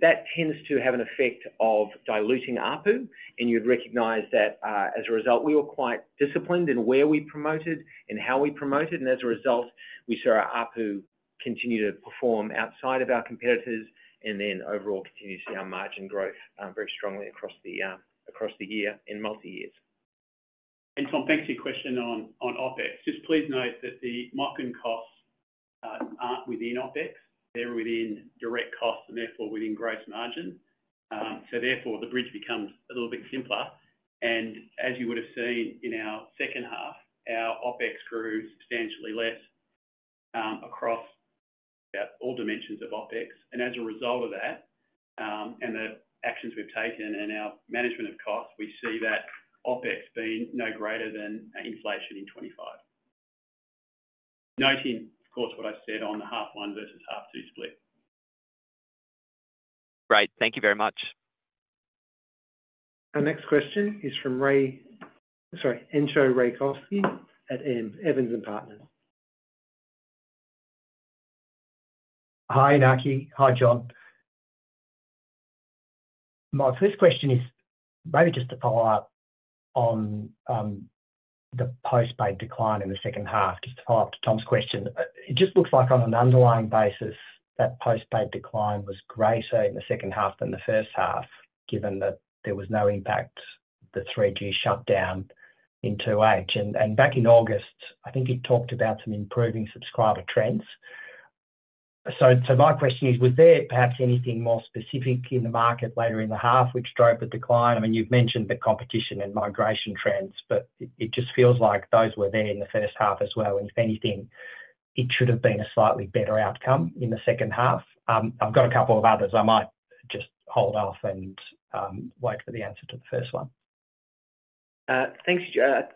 That tends to have an effect of diluting ARPU. You'd recognize that as a result, we were quite disciplined in where we promoted and how we promoted. As a result, we saw our ARPU continue to perform outside of our competitors and then overall continue to see our margin growth very strongly across the year in multi-years. Tom, thanks for your question on OPEX. Just please note that the MOCN costs aren't within OPEX. They're within direct costs and therefore within gross margin. So therefore, the bridge becomes a little bit simpler. And as you would have seen in Second Half, our OPEX grew substantially less across all dimensions of OPEX. And as a result of that and the actions we've taken and our management of costs, we see that OPEX being no greater than inflation in 2025. Noting, of course, what I said on the half one versus half two split. Great. Thank you very much. Our next question is from Entcho Raykovski at Evans & Partners. Hi, Iñaki. Hi, John. My first question is maybe just to follow up on the postpaid decline in Second Half, just to follow up to Tom's question. It just looks like on an underlying basis, that postpaid decline was greater in Second Half than the First Half, given that there was no impact the 3G shutdown in 2H. And back in August, I think you talked about some improving subscriber trends. So my question is, was there perhaps anything more specific in the market later in the half which drove the decline? I mean, you've mentioned the competition and migration trends, but it just feels like those were there in the First Half as well. And if anything, it should have been a slightly better outcome in Second Half. i've got a couple of others. I might just hold off and wait for the answer to the first one. Thanks Entcho.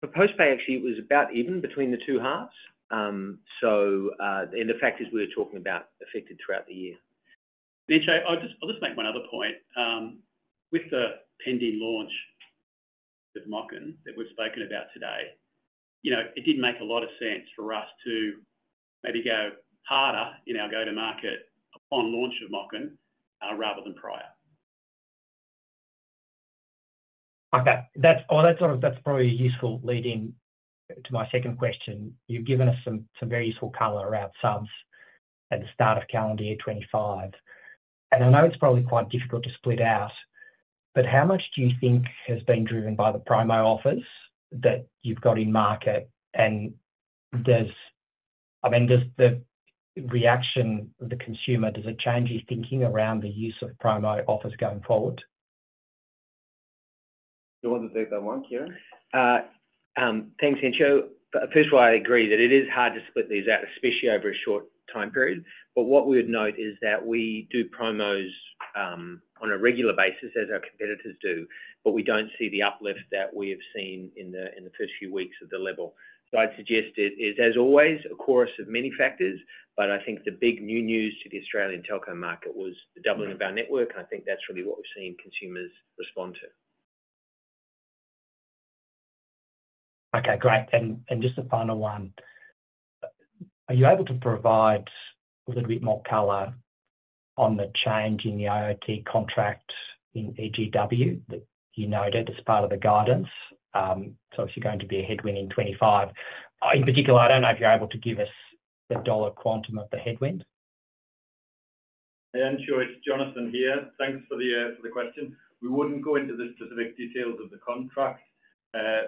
For postpaid, actually, it was about even between the two halves, and the factors we were talking about affected throughout the year. Entcho, I'll just make one other point. With the pending launch of MOCN that we've spoken about today, it didn't make a lot of sense for us to maybe go harder in our go-to-market on launch of MOCN rather than prior. Okay, well, that's probably useful leading to my second question. You've given us some very useful color around subs at the start of calendar year 2025. And I know it's probably quite difficult to split out, but how much do you think has been driven by the promo offers that you've got in market? And I mean, does the reaction of the consumer, does it change your thinking around the use of promo offers going forward? You want to take that one, Kieren? Thanks, Entcho. First of all, I agree that it is hard to split these out, especially over a short time period. But what we would note is that we do promos on a regular basis as our competitors do, but we don't see the uplift that we have seen in the first few weeks at the level. So I'd suggest it is, as always, a chorus of many factors, but I think the big new news to the Australian telco market was the doubling of our network, and I think that's really what we've seen consumers respond to. Okay, great, and just the final one. Are you able to provide a little bit more color on the change in the IoT contract in EG&W that you noted as part of the guidance? So if you're going to be a headwind in 2025, in particular, I don't know if you're able to give us the dollar quantum of the headwind. Entcho, it's Jonathan here. Thanks for the question. We wouldn't go into the specific details of the contract.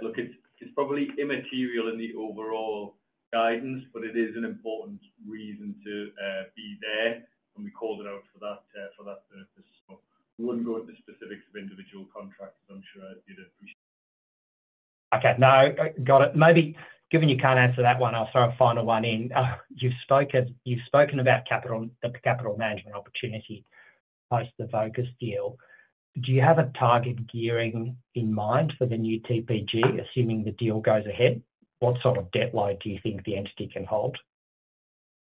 Look, it's probably immaterial in the overall guidance, but it is an important reason to be there. And we called it out for that purpose. So we wouldn't go into specifics of individual contracts, as I'm sure you'd appreciate. Okay, no, got it. Maybe given you can't answer that one, I'll throw a final one in. You've spoken about the capital management opportunity post the Vocus deal. Do you have a target gearing in mind for the new TPG, assuming the deal goes ahead? What sort of debt load do you think the entity can hold?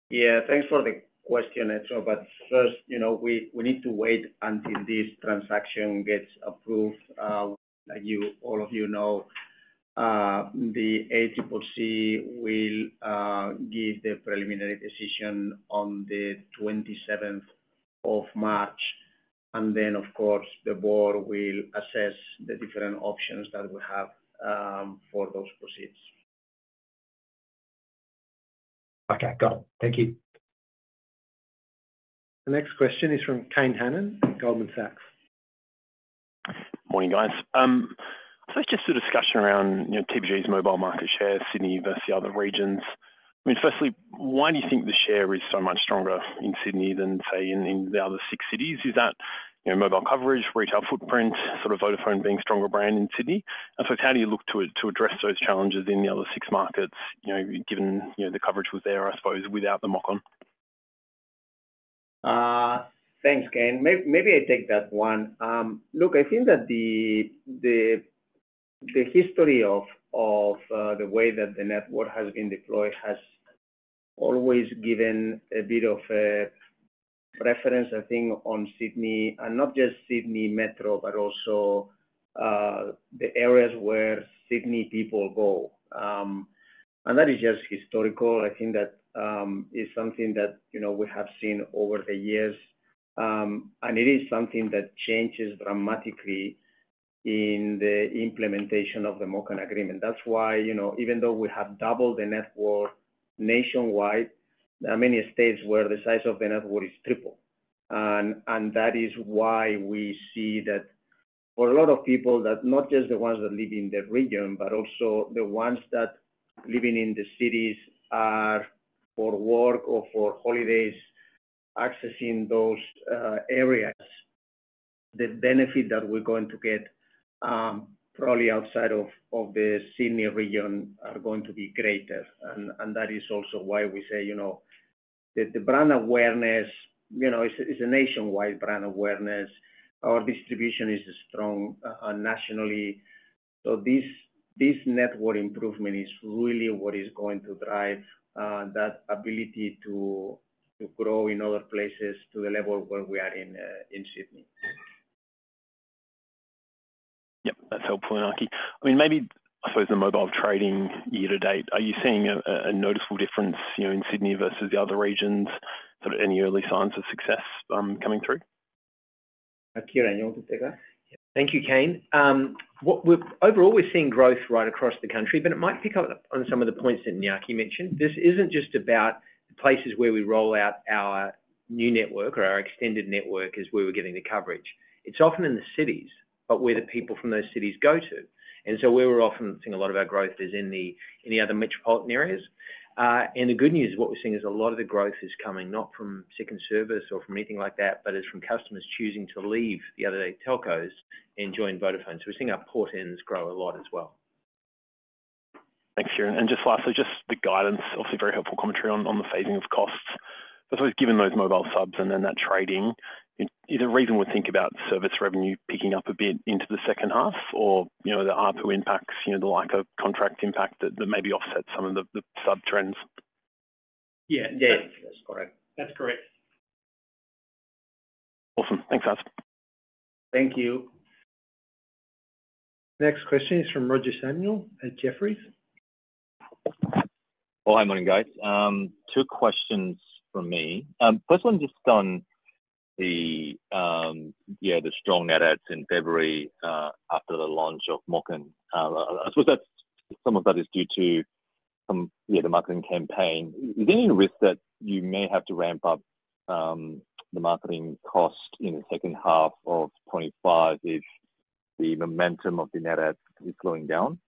Yeah, thanks for the question, Entcho. But first, we need to wait until this transaction gets approved. Like all of you know, the ACCC will give the preliminary decision on the 27th of March. And then, of course, the board will assess the different options that we have for those proceeds. Okay, got it. Thank you. The next question is from Kane Hannan at Goldman Sachs. Morning, guys. So it's just a discussion around TPG's Mobile market share, Sydney versus the other regions. I mean, firstly, why do you think the share is so much stronger in Sydney than, say, in the other six cities? Is that Mobile coverage, retail footprint, sort of Vodafone being a stronger brand in Sydney? And I suppose, how do you look to address those challenges in the other six markets, given the coverage was there, I suppose, without the MOCN? Thanks, Kane. Maybe I take that one. Look, I think that the history of the way that the network has been deployed has always given a bit of preference, I think, on Sydney, and not just Sydney Metro, but also the areas where Sydney people go. That is just historical. I think that is something that we have seen over the years. It is something that changes dramatically in the implementation of the MOCN agreement. That's why, even though we have doubled the network nationwide, there are many states where the size of the network is triple. That is why we see that for a lot of people, that not just the ones that live in the region, but also the ones that live in the cities for work or for holidays, accessing those areas, the benefit that we're going to get probably outside of the Sydney region are going to be greater. And that is also why we say that the brand awareness is a nationwide brand awareness. Our distribution is strong nationally. So this network improvement is really what is going to drive that ability to grow in other places to the level where we are in Sydney. Yep, that's helpful, Iñaki. I mean, maybe, I suppose, the Mobile trading year to date, are you seeing a noticeable difference in Sydney versus the other regions? Sort of any early signs of success coming through? Kieren, you want to take that? Thank you, Kane. Overall, we're seeing growth right across the country, but it might pick up on some of the points that Iñaki mentioned. This isn't just about the places where we roll out our new network or our extended network is where we're getting the coverage. It's often in the cities, but where the people from those cities go to. And so where we're often seeing a lot of our growth is in the other metropolitan areas. And the good news is what we're seeing is a lot of the growth is coming not from second service or from anything like that, but it's from customers choosing to leave the other telcos and join Vodafone. So we're seeing our port-ins grow a lot as well. Thanks, Kieren. And just lastly, just the guidance, obviously very helpful commentary on the phasing of costs. I suppose given those Mobile subs and then that trading, is there a reason we think about Service Revenue picking up a bit into Second Half or the ARPU impacts, the Lyca contract impact that maybe offsets some of the sub trends? Yeah, yeah, that's correct. That's correct. Awesome. Thanks, guys. Thank you. Next question is from Roger Samuel at Jefferies. Well, good morning, guys. Two questions for me. First one is just on the, yeah, the strong Net Adds in February after the launch of MOCN. I suppose some of that is due to, yeah, the marketing campaign. Is there any risk that you may have to ramp up the marketing cost in Second Half of 2025 if the momentum of the Net Adds is slowing down?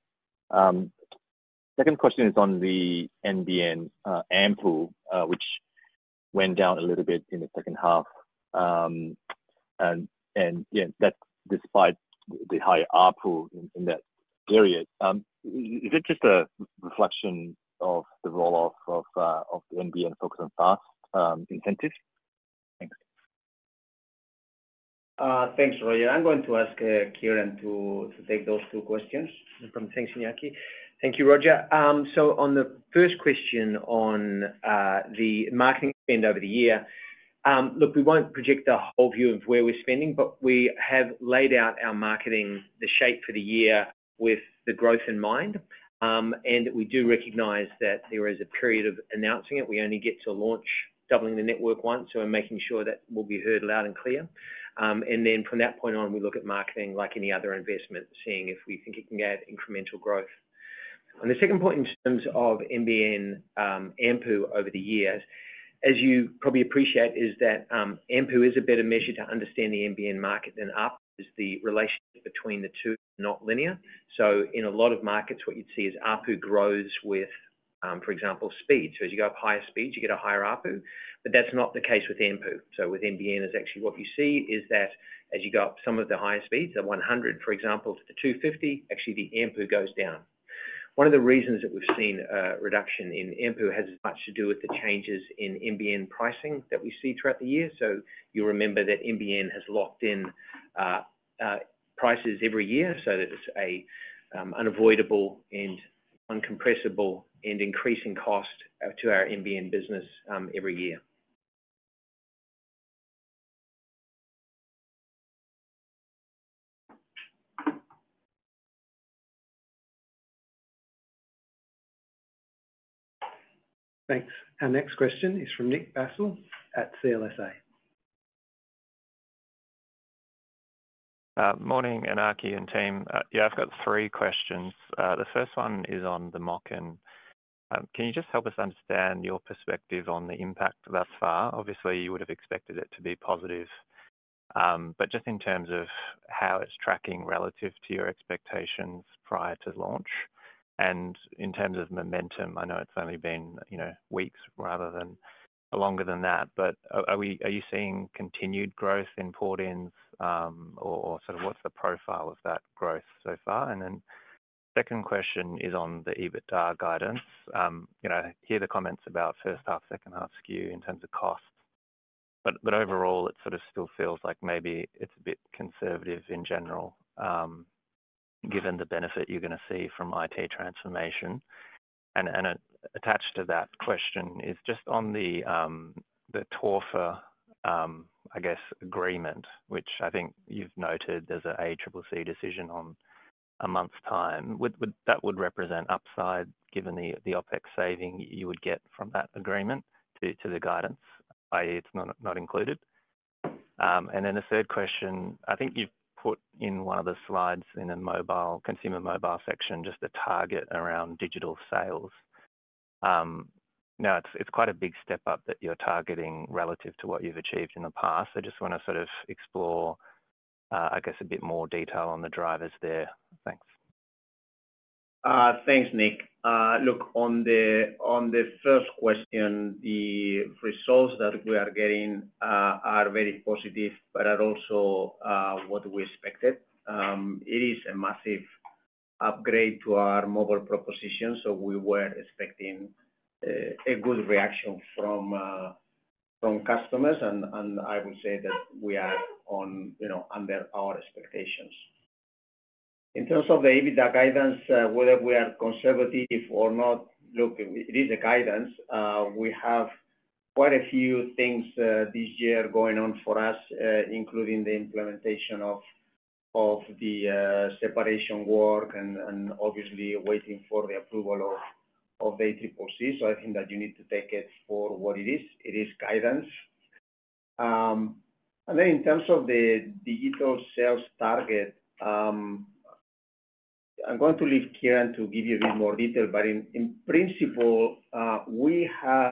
Second question is on the NBN ARPU, which went down a little bit in Second Half. and yeah, that's despite the high ARPU in that area. Is it just a reflection of the roll-off of the NBN Focus on SaaS incentives? Thanks. Thanks, Roger. I'm going to ask Kieren to take those two questions. Thanks, Iñaki. Thank you, Roger. On the first question on the marketing spend over the year, look, we won't project the whole view of where we're spending, but we have laid out our marketing, the shape for the year with the growth in mind. We do recognize that there is a period of announcing it. We only get to launch doubling the network once, so we're making sure that we'll be heard loud and clear. Then from that point on, we look at marketing like any other investment, seeing if we think it can get incremental growth. The second point in terms of NBN AMPU over the years, as you probably appreciate, is that AMPU is a better measure to understand the NBN market than ARPU is. The relationship between the two is not linear. In a lot of markets, what you'd see is ARPU grows with, for example, speed. So as you go up higher speeds, you get a higher ARPU. But that's not the case with AMPU. So with NBN, it's actually what you see is that as you go up some of the higher speeds, the 100, for example, to the 250, actually the AMPU goes down. One of the reasons that we've seen a reduction in AMPU has as much to do with the changes in NBN pricing that we see throughout the year. So you'll remember that NBN has locked in prices every year, so that it's an unavoidable and uncompressible and increasing cost to our NBN business every year. Thanks. Our next question is from Nick Basile at CLSA. Morning, Iñaki and team. Yeah, I've got three questions. The first one is on the MOCN. Can you just help us understand your perspective on the impact thus far? Obviously, you would have expected it to be positive. But just in terms of how it's tracking relative to your expectations prior to launch and in terms of momentum, I know it's only been weeks rather than longer than that. But are you seeing continued growth in port-ins or sort of what's the profile of that growth so far? And then the second question is on the EBITDA Guidance. I hear the comments about first Second Half skew in terms of costs. But overall, it sort of still feels like maybe it's a bit conservative in general given the benefit you're going to see from IT transformation. And attached to that question is just on the TAWFA, I guess, agreement, which I think you've noted there's an ACCC decision in a month's time. That would represent upside given the OPEX saving you would get from that agreement to the guidance, i.e., it's not included. And then the third question, I think you've put in one of the slides in a Consumer Mobile section, just the target around digital sales. Now, it's quite a big step up that you're targeting relative to what you've achieved in the past. I just want to sort of explore, I guess, a bit more detail on the drivers there. Thanks. Thanks, Nick. Look, on the first question, the results that we are getting are very positive, but are also what we expected. It is a massive upgrade to our Mobile proposition. So we were expecting a good reaction from customers. And I would say that we are under our expectations. In terms of the EBITDA Guidance, whether we are conservative or not, look, it is a guidance. We have quite a few things this year going on for us, including the implementation of the separation work and obviously waiting for the approval of the ACCC. So I think that you need to take it for what it is. It is guidance. And then in terms of the digital sales target, I'm going to leave Kieren to give you a bit more detail, but in principle, we have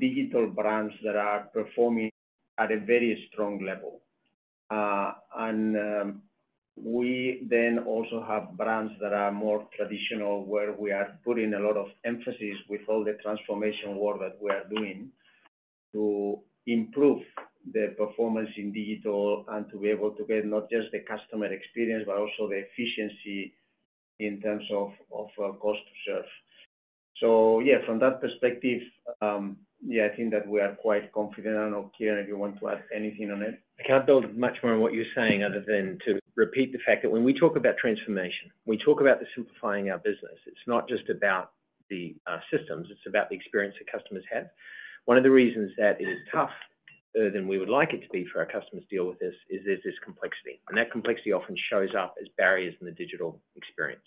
digital brands that are performing at a very strong level. And we then also have brands that are more traditional where we are putting a lot of emphasis with all the transformation work that we are doing to improve the performance in digital and to be able to get not just the customer experience, but also the efficiency in terms of cost to serve. So yeah, from that perspective, yeah, I think that we are quite confident. I know, Kieren, if you want to add anything on it. I can't build much more on what you're saying other than to repeat the fact that when we talk about transformation, we talk about the simplifying our business. It's not just about the systems. It's about the experience that customers have. One of the reasons that it is tougher than we would like it to be for our customers to deal with this is there's this complexity, and that complexity often shows up as barriers in the digital experience,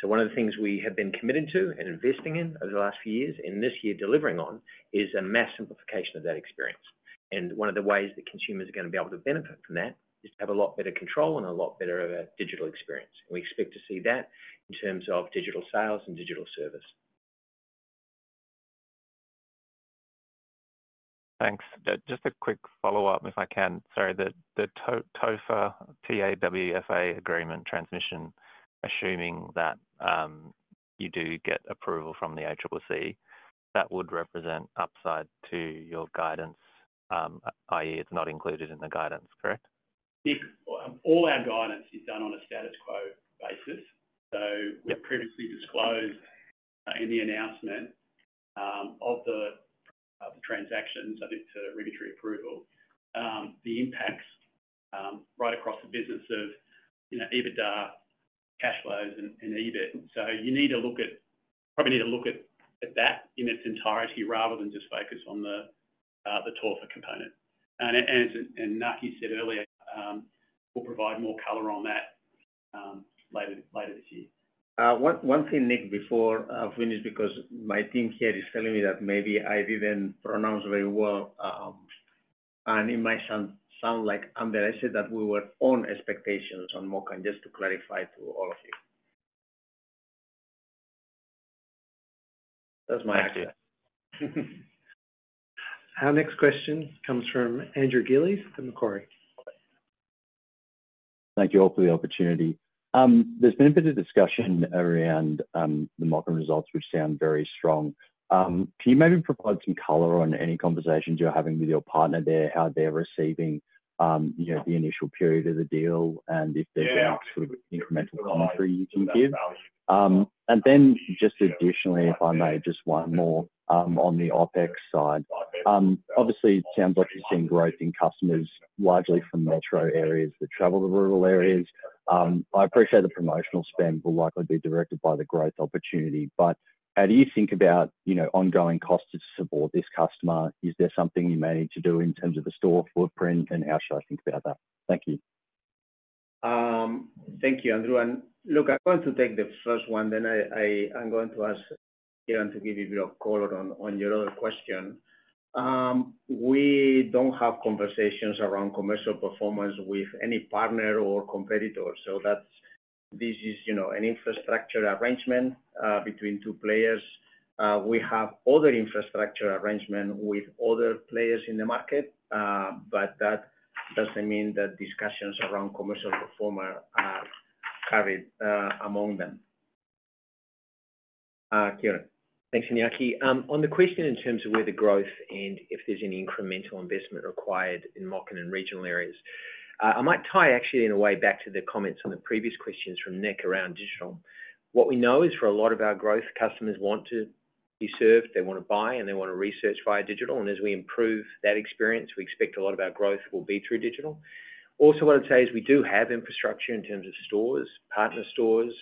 so one of the things we have been committed to and investing in over the last few years and this year delivering on is a mass simplification of that experience, and one of the ways that consumers are going to be able to benefit from that is to have a lot better control and a lot better digital experience. We expect to see that in terms of digital sales and digital service. Thanks. Just a quick follow-up, if I can. Sorry, the TAWFA, T-A-W-F-A, agreement transmission, assuming that you do get approval from the ACCC, that would represent upside to your guidance, i.e., it's not included in the guidance, correct? Nick, all our guidance is done on a status quo basis. So we previously disclosed in the announcement of the transactions, I think, to regulatory approval, the impacts right across the business of EBITDA, cash flows, and EBIT. So you need to look at that in its entirety rather than just focus on the TAWFA component. And as Iñaki said earlier, we'll provide more color on that later this year. One thing, Nick, before I finish, because my team here is telling me that maybe I didn't pronounce very well, and it might sound like I'm the right that we were on expectations on MOCN, just to clarify to all of you. That's my idea. Our next question comes from Andrew Gillies at Macquarie. Thank you all for the opportunity. There's been a bit of discussion around the MOCN results, which sound very strong. Can you maybe provide some color on any conversations you're having with your partner there, how they're receiving the initial period of the deal, and if there's any sort of incremental commentary you can give? And then just additionally, if I may, just one more on the OPEX side. Obviously, it sounds like you're seeing growth in customers largely from metro areas that travel to rural areas. I appreciate the promotional spend will likely be directed by the growth opportunity. But how do you think about ongoing costs to support this customer? Is there something you may need to do in terms of the store footprint, and how should I think about that? Thank you. Thank you, Andrew, and look, I'm going to take the first one, then I'm going to ask Kieren to give you a bit of color on your other question. We don't have conversations around commercial performance with any partner or competitor. So this is an infrastructure arrangement between two players. We have other infrastructure arrangements with other players in the market, but that doesn't mean that discussions around commercial performance are carried among them. Kieren. Thanks, Iñaki. On the question in terms of where the growth and if there's an incremental investment required in MOCN and regional areas, I might tie actually in a way back to the comments on the previous questions from Nick around digital. What we know is for a lot of our growth, customers want to be served. They want to buy, and they want to research via digital. And as we improve that experience, we expect a lot of our growth will be through digital. Also, what I'd say is we do have infrastructure in terms of stores, partner stores,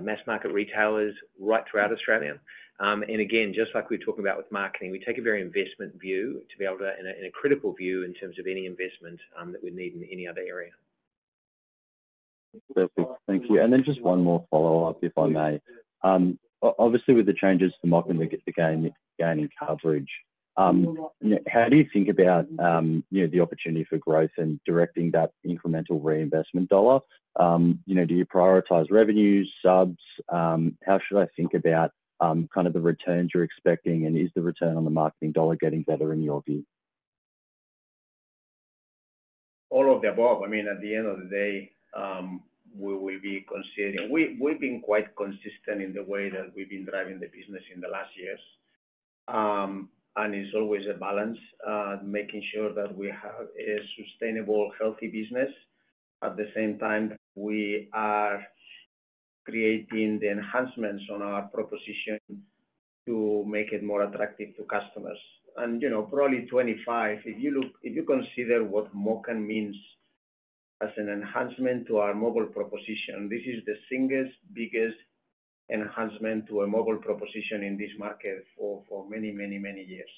mass market retailers right throughout Australia. And again, just like we're talking about with marketing, we take a very investment view to be able to, and a critical view in terms of any investment that we need in any other area. Perfect. Thank you. Then just one more follow-up, if I may. Obviously, with the changes to MOCN, we're gaining coverage. How do you think about the opportunity for growth and directing that incremental reinvestment dollar? Do you prioritize revenues, subs? How should I think about kind of the returns you're expecting, and is the return on the marketing dollar getting better in your view? All of the above. I mean, at the end of the day, we will be considering we've been quite consistent in the way that we've been driving the business in the last years. And it's always a balance, making sure that we have a sustainable, healthy business. At the same time, we are creating the enhancements on our proposition to make it more attractive to customers. And probably 2025, if you consider what MOCN means as an enhancement to our Mobile proposition, this is the single biggest enhancement to a Mobile proposition in this market for many, many, many years.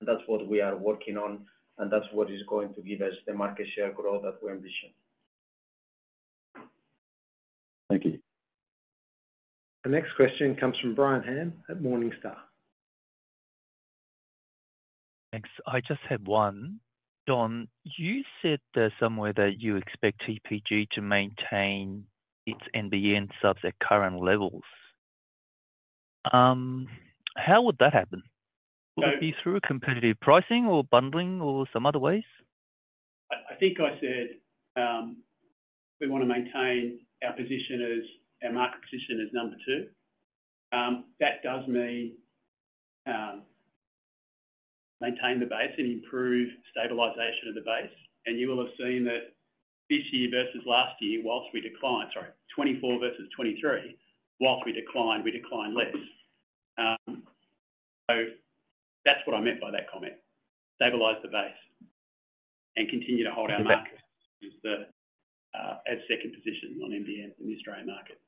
That's what we are working on, and that's what is going to give us the market share growth that we envision. Thank you. The next question comes from Brian Han at Morningstar. Thanks. I just had one. John, you said there's somewhere that you expect TPG to maintain its NBN Subs at current levels. How would that happen? Would it be through competitive pricing or bundling or some other ways? I think I said we want to maintain our position as our market position as number two. That does mean maintain the base and improve stabilization of the base. And you will have seen that this year versus last year, whilst we declined (sorry, 2024 versus 2023), whilst we declined, we declined less. So that's what I meant by that comment. Stabilize the base and continue to hold our market as the second position on NBN in the Australian market.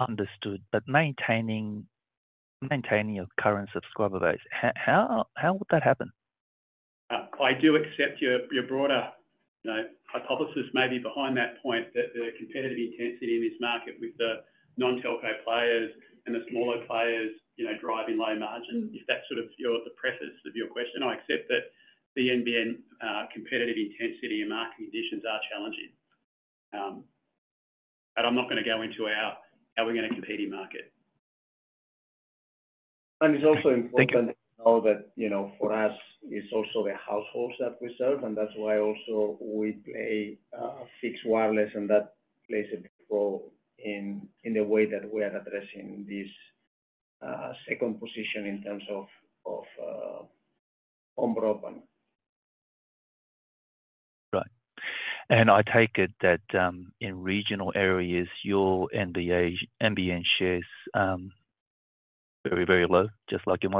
Understood. But maintaining your current Subscriber Base, how would that happen? I do accept your broader hypothesis maybe behind that point that the competitive intensity in this market with the non-Telco players and the smaller players driving low margins, if that's sort of the preface of your question. I accept that the NBN competitive intensity and market conditions are challenging. But I'm not going to go into how we're going to compete in market. And it's also important to know that for us, it's also the households that we serve. And that's why also we play Fixed-Wireless, and that plays a big role in the way that we are addressing this second position in terms of onboarding. Right. And I take it that in regional areas, your NBN share is very, very low, just like your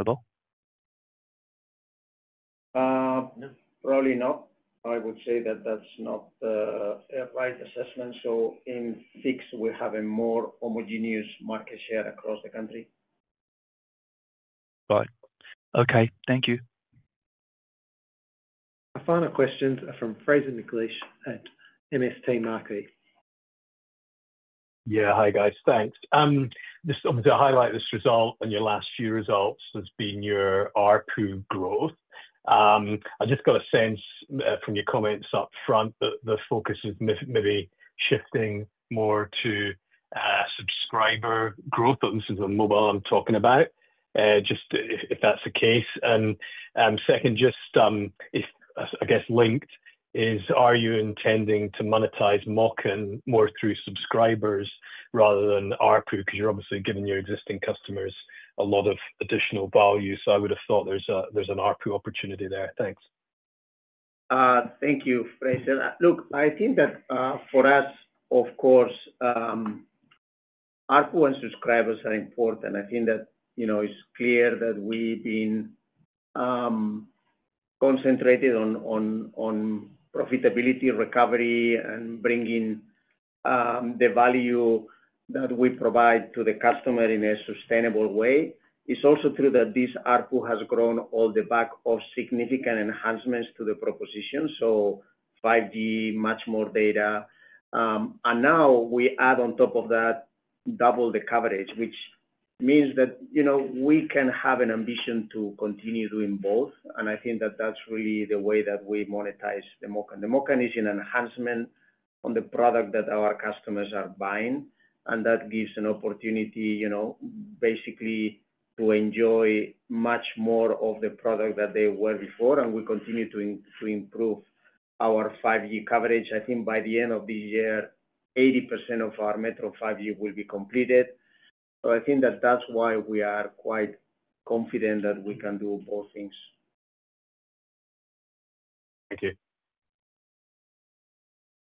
Mobile? Probably not. I would say that that's not a right assessment. So in fixed, we have a more homogeneous market share across the country. Right. Okay. Thank you. A final question from Fraser McLeish at MST Marquee. Yeah. Hi, guys. Thanks. Just wanted to highlight this result and your last few results has been your ARPU growth. I just got a sense from your comments up front that the focus is maybe shifting more to subscriber growth. This is the Mobile I'm talking about, just if that's the case. And second, just I guess linked is, are you intending to monetize MOCN more through Subscribers rather than ARPU because you're obviously giving your existing customers a lot of additional value? So I would have thought there's an ARPU opportunity there. Thanks. Thank you, Fraser. Look, I think that for us, of course, ARPU and subscribers are important. I think that it's clear that we've been concentrated on profitability, recovery, and bringing the value that we provide to the customer in a sustainable way. It's also true that this ARPU has grown on the back of significant enhancements to the proposition. So 5G, much more data. And now we add on top of that double the coverage, which means that we can have an ambition to continue doing both. And I think that that's really the way that we monetize the MOCN. The MOCN is an enhancement on the product that our customers are buying, and that gives an opportunity basically to enjoy much more of the product that they were before, and we continue to improve our 5G coverage. I think by the end of this year, 80% of our metro 5G will be completed, so I think that that's why we are quite confident that we can do both things. Thank you.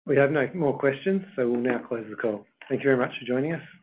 We have no more questions, so we'll now close the call. Thank you very much for joining us.